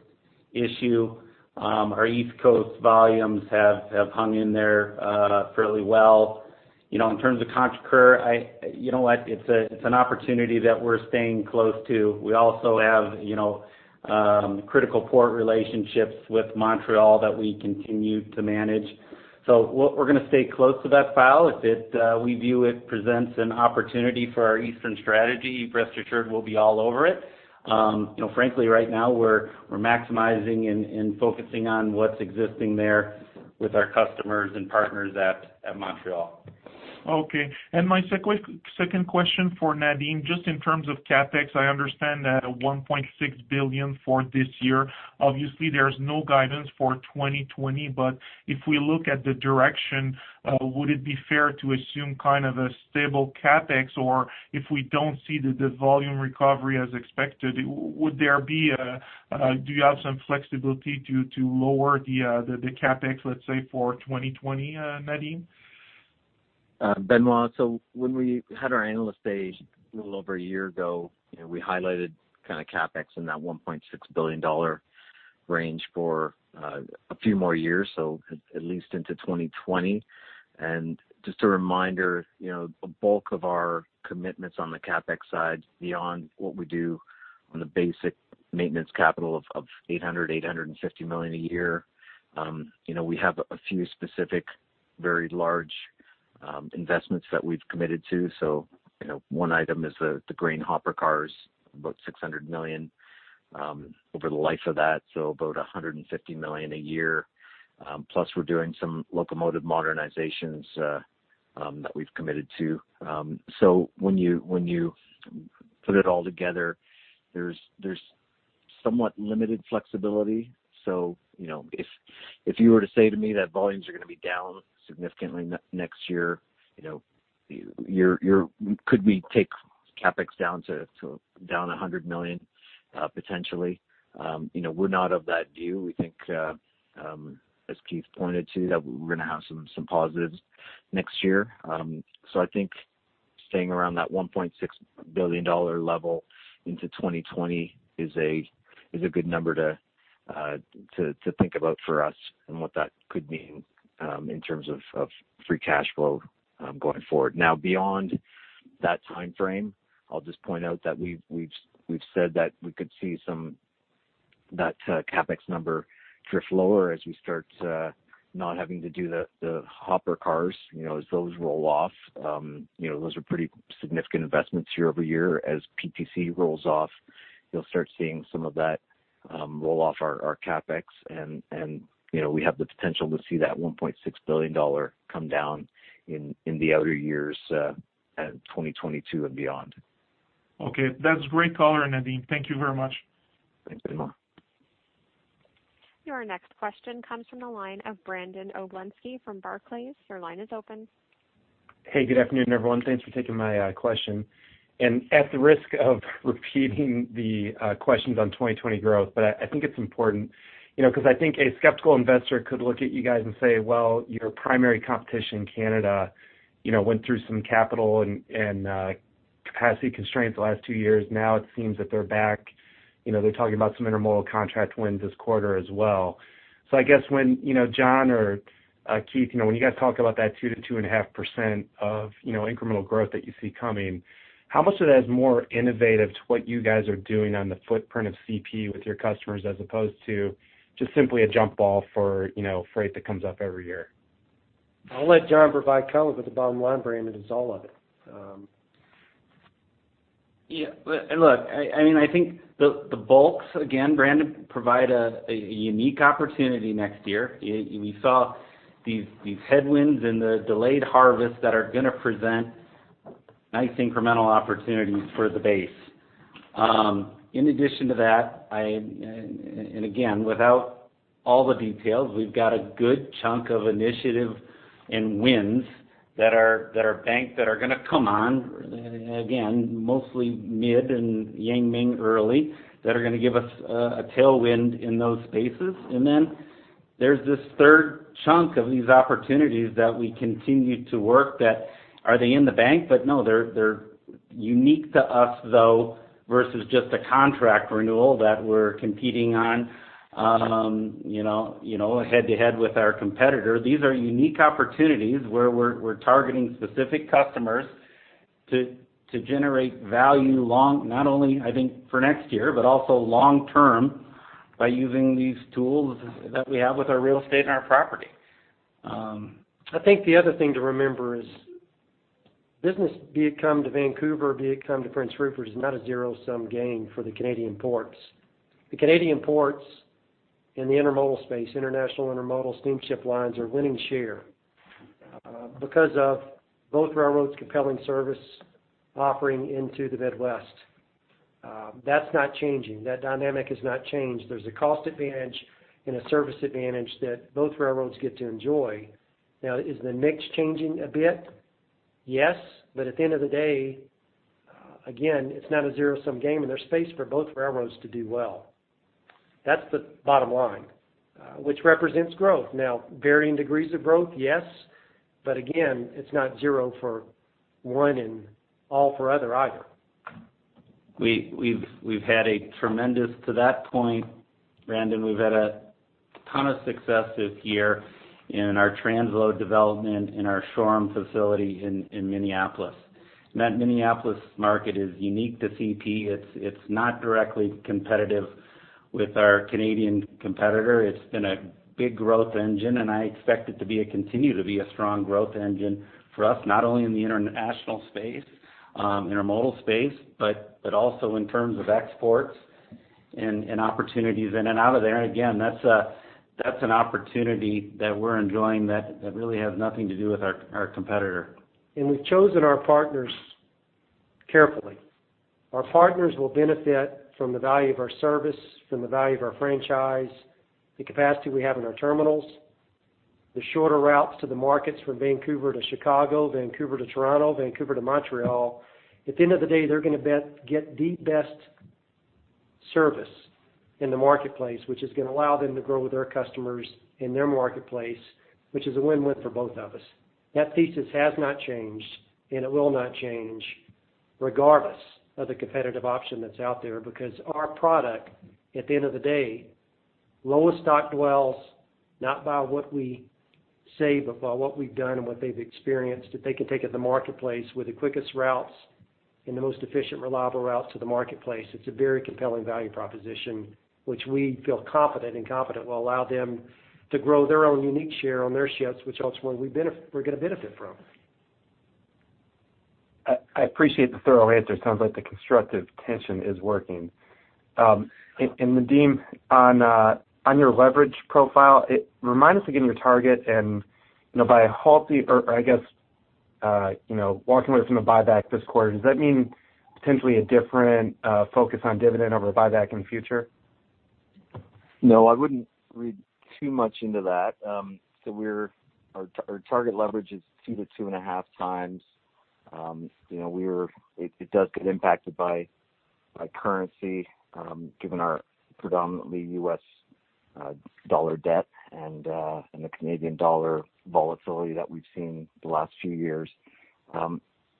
issue. Our East Coast volumes have hung in there fairly well. In terms of Contrecoeur, you know what? It's an opportunity that we're staying close to. We also have critical port relationships with Montreal that we continue to manage. We're going to stay close to that file. If we view it presents an opportunity for our eastern strategy, rest assured we'll be all over it. Frankly, right now we're maximizing and focusing on what's existing there with our customers and partners at Montreal. Okay. My second question for Nadeem, just in terms of CapEx, I understand that 1.6 billion for this year. Obviously, there is no guidance for 2020, but if we look at the direction, would it be fair to assume kind of a stable CapEx? If we don't see the volume recovery as expected, do you have some flexibility to lower the CapEx, let's say, for 2020, Nadeem? Benoit, when we had our Analyst Day a little over a year ago, we highlighted kind of CapEx in that 1.6 billion dollar range for a few more years, at least into 2020. Just a reminder, the bulk of our commitments on the CapEx side, beyond what we do on the basic maintenance capital of 800 million, 850 million a year, we have a few specific, very large investments that we've committed to. One item is the grain hopper cars, about 600 million over the life of that, so about 150 million a year. Plus, we're doing some locomotive modernizations that we've committed to. When you put it all together, there's somewhat limited flexibility. If you were to say to me that volumes are going to be down significantly next year, could we take CapEx down 100 million, potentially? We're not of that view. We think, as Keith pointed to, that we're going to have some positives next year. I think staying around that 1.6 billion dollar level into 2020 is a good number to think about for us and what that could mean in terms of free cash flow going forward. Beyond that timeframe, I'll just point out that we've said that we could see that CapEx number drift lower as we start not having to do the hopper cars, as those roll off. Those are pretty significant investments year over year. As PTC rolls off, you'll start seeing some of that roll off our CapEx and we have the potential to see that 1.6 billion dollar come down in the outer years, 2022 and beyond. Okay. That's great color, Nadeem. Thank you very much. Thanks, Benoit. Your next question comes from the line of Brandon Oglenski from Barclays. Your line is open. Hey, good afternoon, everyone. Thanks for taking my question. At the risk of repeating the questions on 2020 growth, but I think it's important, because I think a skeptical investor could look at you guys and say, well, your primary competition, Canada, went through some capital and capacity constraints the last two years. Now it seems that they're back. They're talking about some intermodal contract wins this quarter as well. I guess when John or Keith, when you guys talk about that 2%-2.5% of incremental growth that you see coming, how much of that is more innovative to what you guys are doing on the footprint of CP with your customers as opposed to just simply a jump ball for freight that comes up every year? I'll let John provide color, but the bottom line, Brandon, is all of it. Yeah. Look, I think the bulks, again, Brandon, provide a unique opportunity next year. We saw these headwinds and the delayed harvests that are going to present nice incremental opportunities for the base. In addition to that, and again, without all the details, we've got a good chunk of initiative and wins that are banked that are going to come on, again, mostly mid and Yang Ming early, that are going to give us a tailwind in those spaces. There's this third chunk of these opportunities that we continue to work that are they in the bank? No, they're unique to us, though, versus just a contract renewal that we're competing on head to head with our competitor. These are unique opportunities where we're targeting specific customers to generate value long, not only I think for next year, but also long term by using these tools that we have with our real estate and our property. I think the other thing to remember is business, be it come to Vancouver, be it come to Prince Rupert, is not a zero-sum game for the Canadian ports. The Canadian ports in the intermodal space, international intermodal steamship lines, are winning share because of both railroads compelling service offering into the Midwest. That's not changing. That dynamic has not changed. There's a cost advantage and a service advantage that both railroads get to enjoy. Now, is the mix changing a bit? Yes. At the end of the day, again, it's not a zero-sum game, and there's space for both railroads to do well. That's the bottom line, which represents growth. Now, varying degrees of growth, yes. Again, it's not zero for one and all for other, either. To that point, Brandon, we've had a ton of success this year in our transload development in our shore and facility in Minneapolis. That Minneapolis market is unique to CP. It's not directly competitive with our Canadian competitor. It's been a big growth engine, and I expect it to continue to be a strong growth engine for us, not only in the international space, intermodal space, but also in terms of exports and opportunities in and out of there. Again, that's an opportunity that we're enjoying that really has nothing to do with our competitor. We've chosen our partners carefully. Our partners will benefit from the value of our service, from the value of our franchise, the capacity we have in our terminals, the shorter routes to the markets from Vancouver to Chicago, Vancouver to Toronto, Vancouver to Montreal. At the end of the day, they're going to get the best service in the marketplace, which is going to allow them to grow with our customers in their marketplace, which is a win-win for both of us. That thesis has not changed, and it will not change regardless of the competitive option that's out there, because our product, at the end of the day, lowest stocked wells, not by what we say, but by what we've done and what they've experienced, that they can take at the marketplace with the quickest routes and the most efficient, reliable routes to the marketplace. It's a very compelling value proposition, which we feel confident will allow them to grow their own unique share on their ships, which ultimately we're going to benefit from. I appreciate the thorough answer. Sounds like the constructive tension is working. Nadeem, on your leverage profile, remind us again your target and by halting or I guess, walking away from the buyback this quarter, does that mean potentially a different focus on dividend over buyback in the future? No, I wouldn't read too much into that. Our target leverage is two to two and a half times. It does get impacted by currency given our predominantly U.S. dollar debt and the Canadian dollar volatility that we've seen the last few years.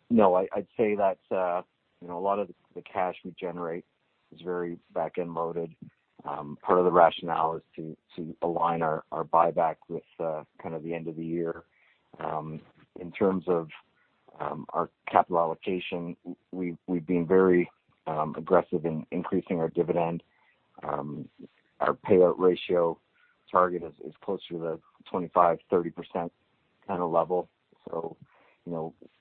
No, I'd say that a lot of the cash we generate is very back-end loaded. Part of the rationale is to align our buyback with kind of the end of the year. In terms of our capital allocation, we've been very aggressive in increasing our dividend. Our payout ratio target is closer to the 25%-30% kind of level.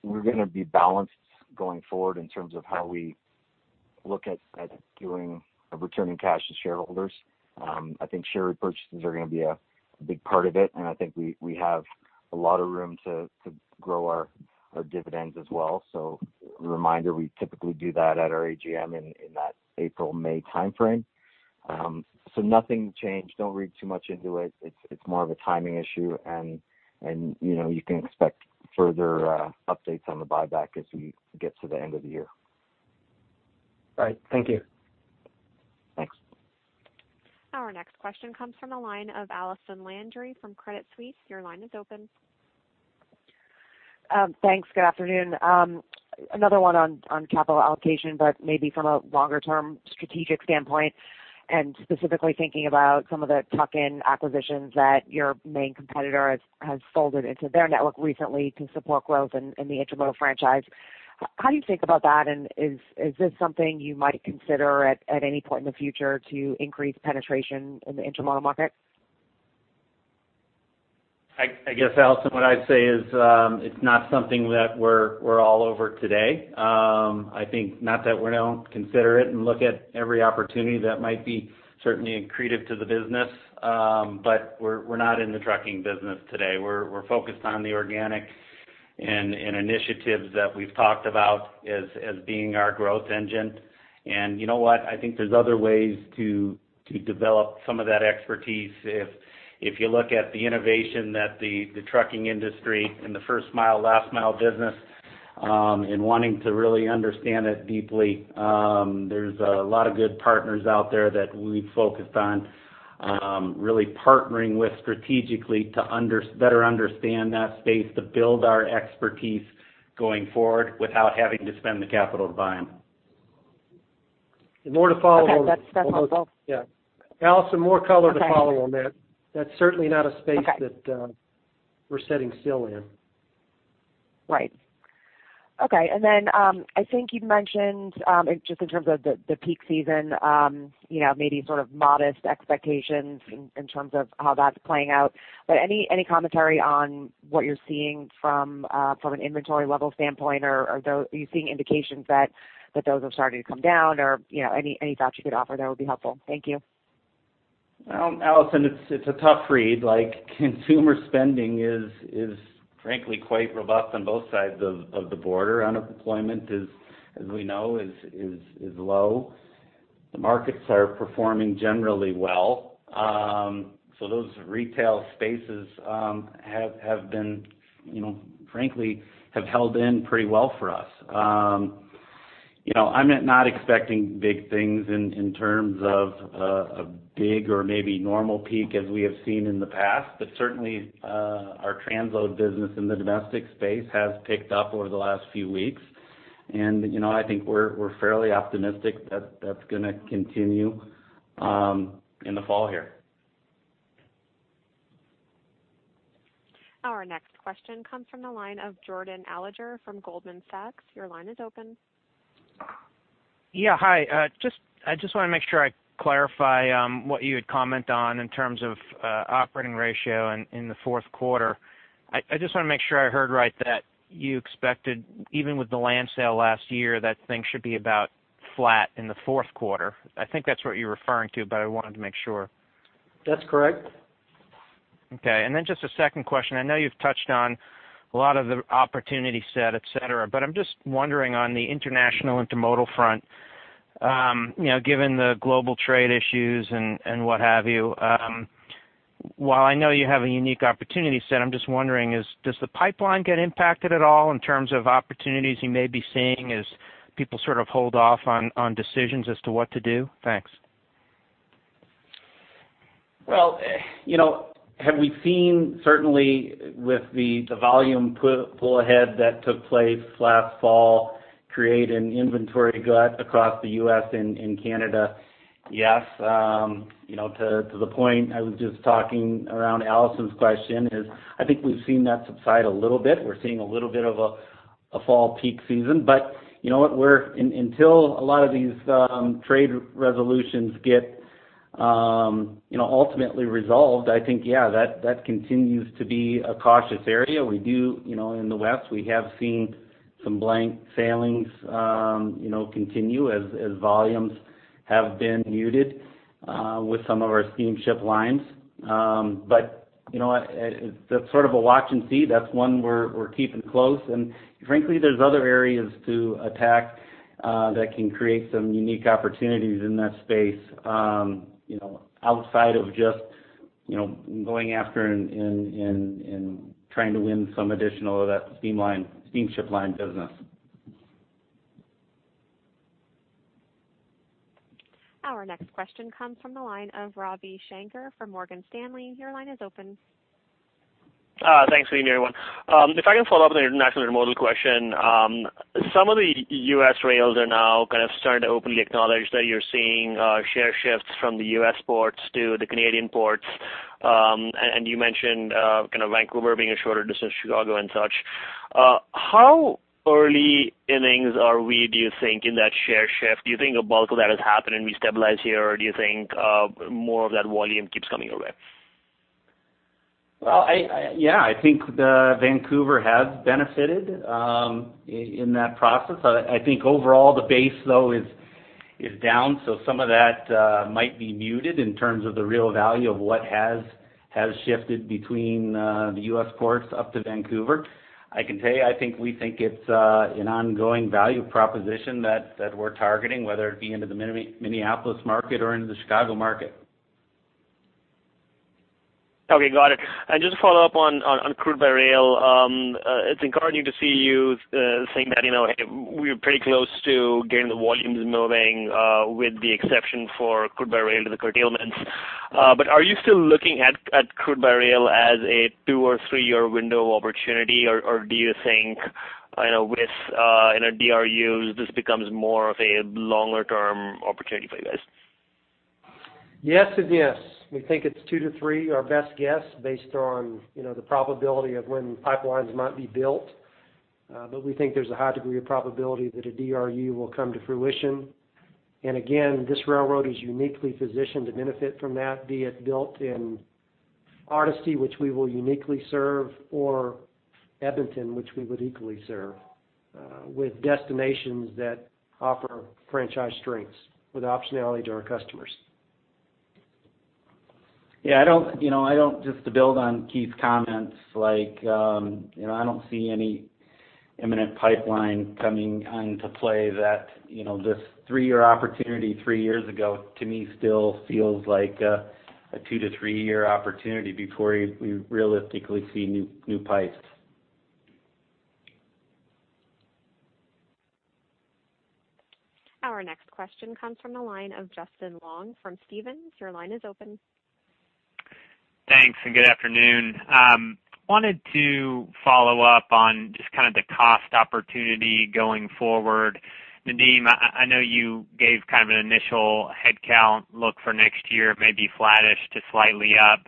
We're going to be balanced going forward in terms of how we look at returning cash to shareholders. I think share repurchases are going to be a big part of it, and I think we have a lot of room to grow our dividends as well. A reminder, we typically do that at our AGM in that April, May timeframe. Nothing changed. Don't read too much into it. It's more of a timing issue, and you can expect further updates on the buyback as we get to the end of the year. All right. Thank you. Thanks. Our next question comes from the line of Allison Landry from Credit Suisse. Your line is open. Thanks. Good afternoon. Another one on capital allocation, but maybe from a longer-term strategic standpoint, and specifically thinking about some of the tuck-in acquisitions that your main competitor has folded into their network recently to support growth in the intermodal franchise. How do you think about that? Is this something you might consider at any point in the future to increase penetration in the intermodal market? I guess, Allison, what I'd say is it's not something that we're all over today. I think, not that we don't consider it and look at every opportunity that might be certainly accretive to the business. We're not in the trucking business today. We're focused on the organic and initiatives that we've talked about as being our growth engine. You know what? I think there's other ways to develop some of that expertise. If you look at the innovation that the trucking industry in the first mile, last mile business, and wanting to really understand it deeply, there's a lot of good partners out there that we've focused on really partnering with strategically to better understand that space, to build our expertise going forward without having to spend the capital to buy them. More to follow. That's helpful. Yeah. Allison, more color to follow on that. Okay. That's certainly not a space that- Okay we're sitting still in. Right. Okay. I think you'd mentioned, just in terms of the peak season, maybe sort of modest expectations in terms of how that's playing out. Any commentary on what you're seeing from an inventory level standpoint? Are you seeing indications that those are starting to come down? Any thoughts you could offer there would be helpful. Thank you. Well, Allison, it's a tough read. Consumer spending is frankly quite robust on both sides of the border. Unemployment, as we know, is low. The markets are performing generally well. Those retail spaces frankly, have held in pretty well for us. I'm not expecting big things in terms of a big or maybe normal peak as we have seen in the past. Certainly, our transload business in the domestic space has picked up over the last few weeks. I think we're fairly optimistic that that's going to continue in the fall here. Our next question comes from the line of Jordan Alliger from Goldman Sachs. Your line is open. Yeah. Hi. I just want to make sure I clarify what you had commented on in terms of Operating Ratio in the fourth quarter. I just want to make sure I heard right that you expected, even with the land sale last year, that things should be about flat in the fourth quarter. I think that's what you were referring to, but I wanted to make sure. That's correct. Okay, just a second question. I know you've touched on a lot of the opportunity set, et cetera. I'm just wondering on the international intermodal front, given the global trade issues and what have you, while I know you have a unique opportunity set, I'm just wondering, does the pipeline get impacted at all in terms of opportunities you may be seeing as people sort of hold off on decisions as to what to do? Thanks. Well, have we seen certainly with the volume pull ahead that took place last fall create an inventory glut across the U.S. and Canada? Yes. To the point I was just talking around Allison's question is, I think we've seen that subside a little bit. We're seeing a little bit of a fall peak season. You know what? Until a lot of these trade resolutions get ultimately resolved, I think, yeah, that continues to be a cautious area. In the West, we have seen some blank sailings continue as volumes have been muted with some of our steamship lines. You know what? That's sort of a watch and see. That's one we're keeping close. Frankly, there's other areas to attack that can create some unique opportunities in that space outside of just going after and trying to win some additional of that steamship line business. Our next question comes from the line of Ravi Shanker from Morgan Stanley. Your line is open. Thanks. Good evening, everyone. If I can follow up on the international intermodal question. Some of the U.S. rails are now kind of starting to openly acknowledge that you're seeing share shifts from the U.S. ports to the Canadian ports. You mentioned Vancouver being a shorter distance to Chicago and such. How early innings are we, do you think, in that share shift? Do you think a bulk of that has happened and we stabilize here, or do you think more of that volume keeps coming your way? Well, yeah, I think Vancouver has benefited in that process. I think overall the base, though, is down, so some of that might be muted in terms of the real value of what has shifted between the U.S. ports up to Vancouver. I can tell you, I think we think it's an ongoing value proposition that we're targeting, whether it be into the Minneapolis market or into the Chicago market. Okay. Got it. Just to follow up on crude by rail. It's encouraging to see you saying that, "Hey, we're pretty close to getting the volumes moving, with the exception for crude by rail to the curtailments." Are you still looking at crude by rail as a two or three-year window opportunity, or do you think, with DRUs, this becomes more of a longer-term opportunity for you guys? Yes and yes. We think it's two to three, our best guess, based on the probability of when pipelines might be built. We think there's a high degree of probability that a DRU will come to fruition. Again, this railroad is uniquely positioned to benefit from that, be it built in Hardisty, which we will uniquely serve, or Edmonton, which we would equally serve, with destinations that offer franchise strengths with optionality to our customers. Yeah. Just to build on Keith's comments, I don't see any imminent pipeline coming into play that this three-year opportunity three years ago, to me, still feels like a two to three-year opportunity before we realistically see new pipes. Our next question comes from the line of Justin Long from Stephens. Your line is open. Thanks. Good afternoon. I wanted to follow up on just the cost opportunity going forward. Nadeem, I know you gave an initial headcount look for next year, maybe flattish to slightly up.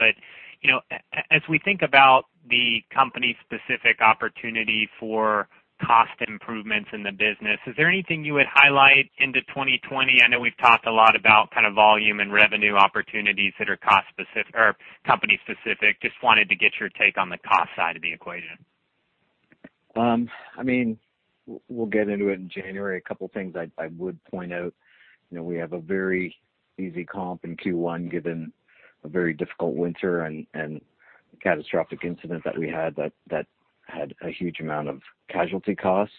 As we think about the company-specific opportunity for cost improvements in the business, is there anything you would highlight into 2020? I know we've talked a lot about volume and revenue opportunities that are company specific. Just wanted to get your take on the cost side of the equation. We'll get into it in January. A couple of things I would point out. We have a very easy comp in Q1 given a very difficult winter and catastrophic incident that we had that had a huge amount of casualty costs.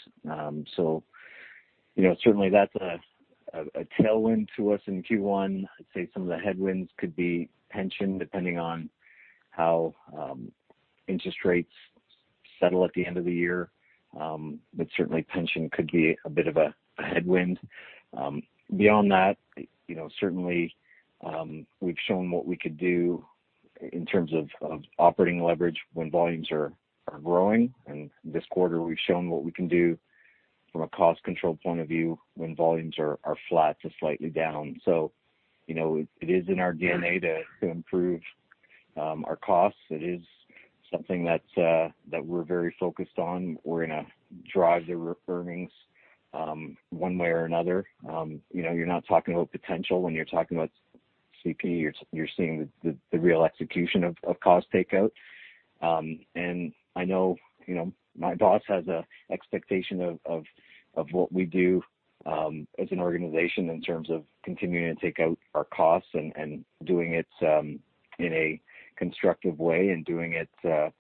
Certainly that's a tailwind to us in Q1. I'd say some of the headwinds could be pension, depending on how interest rates settle at the end of the year. Certainly pension could be a bit of a headwind. Beyond that, certainly, we've shown what we could do in terms of operating leverage when volumes are growing. This quarter, we've shown what we can do from a cost control point of view when volumes are flat to slightly down. It is in our DNA to improve our costs. It is something that we're very focused on. We're going to drive the earnings one way or another. You're not talking about potential when you're talking about CP. You're seeing the real execution of cost takeout. I know my boss has an expectation of what we do as an organization in terms of continuing to take out our costs and doing it in a constructive way and doing it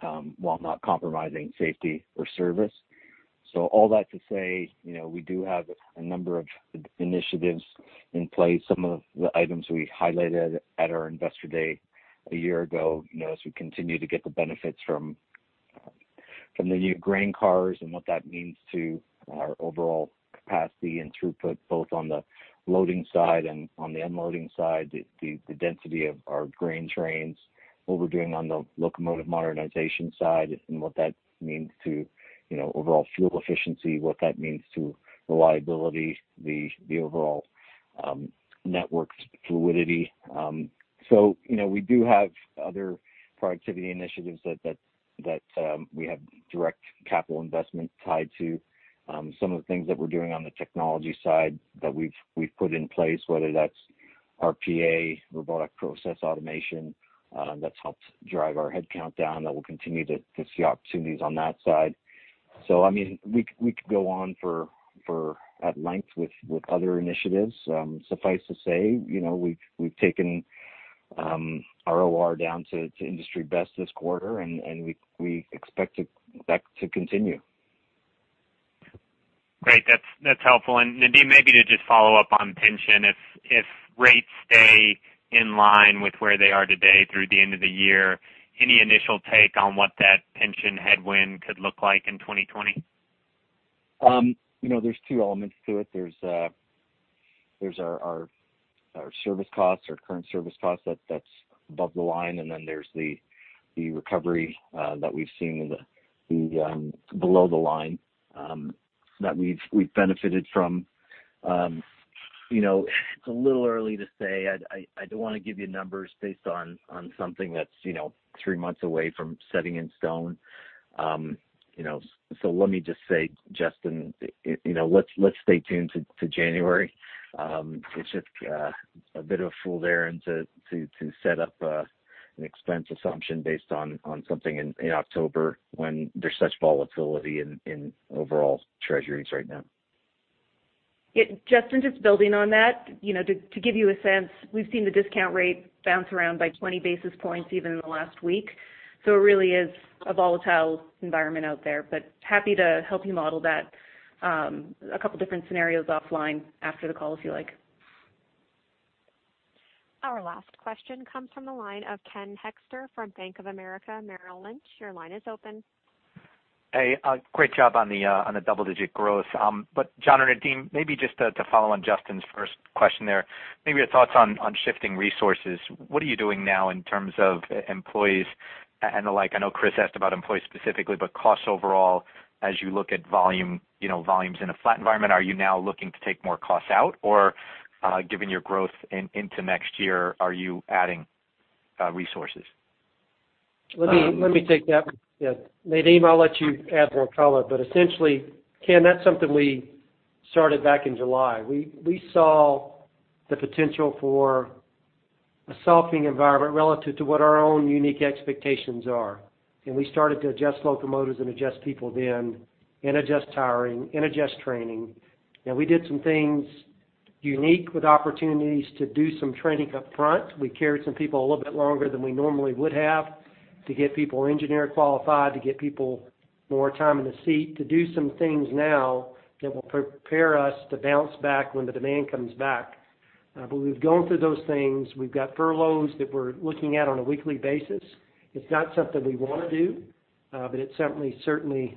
while not compromising safety or service. All that to say, we do have a number of initiatives in place. Some of the items we highlighted at our investor day a year ago as we continue to get the benefits from the new grain cars and what that means to our overall capacity and throughput, both on the loading side and on the unloading side, the density of our grain trains, what we're doing on the locomotive modernization side and what that means to overall fuel efficiency, what that means to reliability, the overall network fluidity. We do have other productivity initiatives that we have direct capital investment tied to. Some of the things that we're doing on the technology side that we've put in place, whether that's RPA, robotic process automation, that's helped drive our headcount down, that we'll continue to see opportunities on that side. We could go on at length with other initiatives. Suffice it to say, we've taken our OR down to industry best this quarter, and we expect that to continue. Great. That's helpful. Nadeem, maybe to just follow up on pension, if rates stay in line with where they are today through the end of the year, any initial take on what that pension headwind could look like in 2020? There's two elements to it. There's our service costs, our current service costs that's above the line, and then there's the recovery that we've seen below the line that we've benefited from. It's a little early to say. I don't want to give you numbers based on something that's three months away from setting in stone. Let me just say, Justin, let's stay tuned to January. It's just a bit of a fool there to set up an expense assumption based on something in October when there's such volatility in overall treasuries right now. Justin, just building on that, to give you a sense, we've seen the discount rate bounce around by 20 basis points even in the last week. It really is a volatile environment out there, but happy to help you model that, a couple different scenarios offline after the call if you like. Our last question comes from the line of Ken Hoexter from Bank of America Merrill Lynch. Your line is open. Hey, great job on the double-digit growth. John or Nadeem, maybe just to follow on Justin's first question there, maybe your thoughts on shifting resources. What are you doing now in terms of employees and the like? I know Chris asked about employees specifically, but costs overall, as you look at volumes in a flat environment, are you now looking to take more costs out? Given your growth into next year, are you adding resources? Let me take that. Yeah. Nadeem, I'll let you add more color, but essentially, Ken, that's something we started back in July. We saw the potential for a softening environment relative to what our own unique expectations are, we started to adjust locomotives and adjust people then and adjust hiring and adjust training. We did some things unique with opportunities to do some training up front. We carried some people a little bit longer than we normally would have to get people engineer qualified, to get people more time in the seat, to do some things now that will prepare us to bounce back when the demand comes back. We've gone through those things. We've got furloughs that we're looking at on a weekly basis. It's not something we want to do, but it's certainly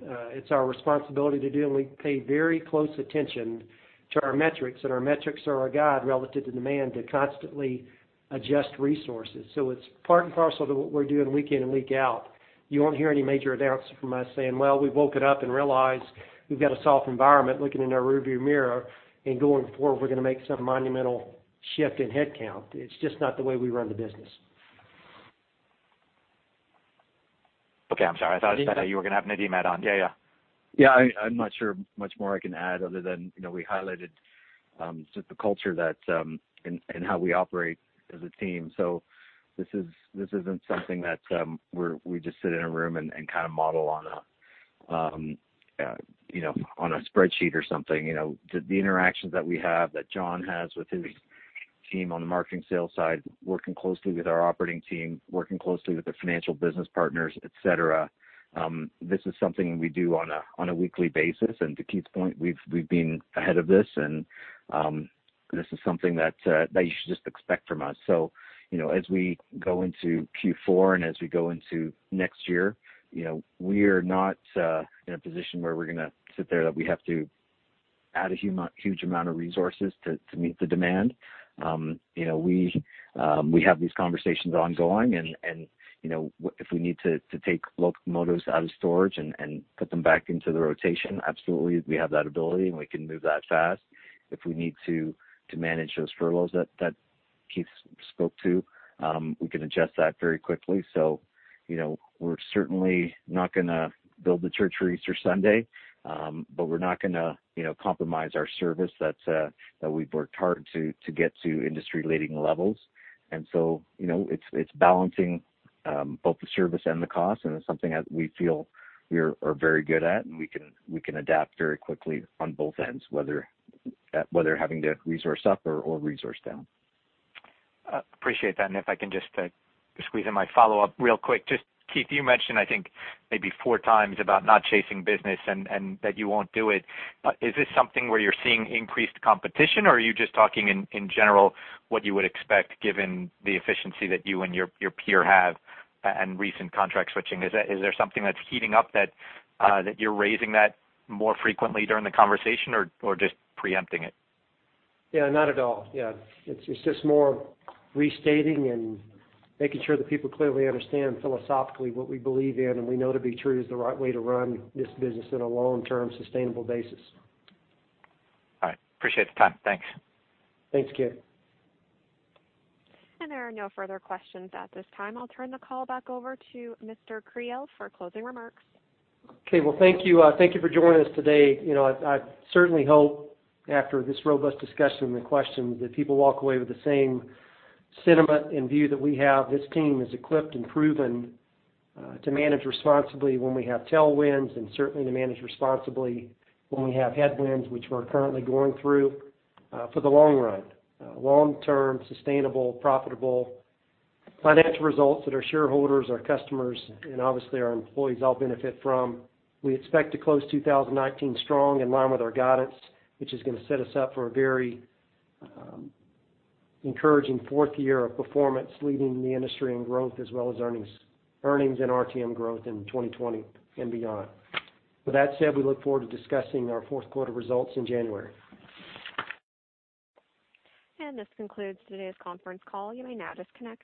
our responsibility to do, and we pay very close attention to our metrics, and our metrics are our guide relative to demand to constantly adjust resources. It's part and parcel to what we're doing week in and week out. You won't hear any major announcements from us saying, "Well, we've woken up and realized we've got a soft environment looking in our rearview mirror, and going forward, we're going to make some monumental shift in headcount." It's just not the way we run the business. Okay. I'm sorry. I thought you were going to have Nadeem add on. Yeah. Yeah. I'm not sure much more I can add other than we highlighted just the culture that and how we operate as a team. This isn't something that we just sit in a room and kind of model on a spreadsheet or something. The interactions that we have, that John has with his team on the marketing sales side, working closely with our operating team, working closely with the financial business partners, et cetera, this is something we do on a weekly basis. To Keith's point, we've been ahead of this and this is something that you should just expect from us. As we go into Q4 and as we go into next year, we are not in a position where we're going to sit there that we have to add a huge amount of resources to meet the demand. We have these conversations ongoing and if we need to take locomotives out of storage and put them back into the rotation, absolutely, we have that ability and we can move that fast. If we need to manage those furloughs that Keith spoke to, we can adjust that very quickly. We're certainly not going to build the church for Easter Sunday, but we're not going to compromise our service that we've worked hard to get to industry leading levels. It's balancing both the service and the cost, and it's something that we feel we are very good at and we can adapt very quickly on both ends, whether having to resource up or resource down. Appreciate that. If I can just squeeze in my follow-up real quick. Just Keith, you mentioned, I think maybe four times about not chasing business and that you won't do it. Is this something where you're seeing increased competition or are you just talking in general what you would expect given the efficiency that you and your peer have and recent contract switching? Is there something that's heating up that you're raising that more frequently during the conversation or just preempting it? Yeah, not at all. Yeah. It's just more restating and making sure that people clearly understand philosophically what we believe in and we know to be true is the right way to run this business in a long-term, sustainable basis. All right. Appreciate the time. Thanks. Thanks, Ken. There are no further questions at this time. I'll turn the call back over to Mr. Creel for closing remarks. Okay. Well, thank you for joining us today. I certainly hope after this robust discussion and the questions that people walk away with the same sentiment and view that we have. This team is equipped and proven to manage responsibly when we have tailwinds and certainly to manage responsibly when we have headwinds, which we're currently going through for the long run. Long-term, sustainable, profitable financial results that our shareholders, our customers, and obviously our employees all benefit from. We expect to close 2019 strong in line with our guidance, which is going to set us up for a very encouraging fourth year of performance leading the industry in growth as well as earnings and RTM growth in 2020 and beyond. With that said, we look forward to discussing our fourth quarter results in January. This concludes today's conference call. You may now disconnect.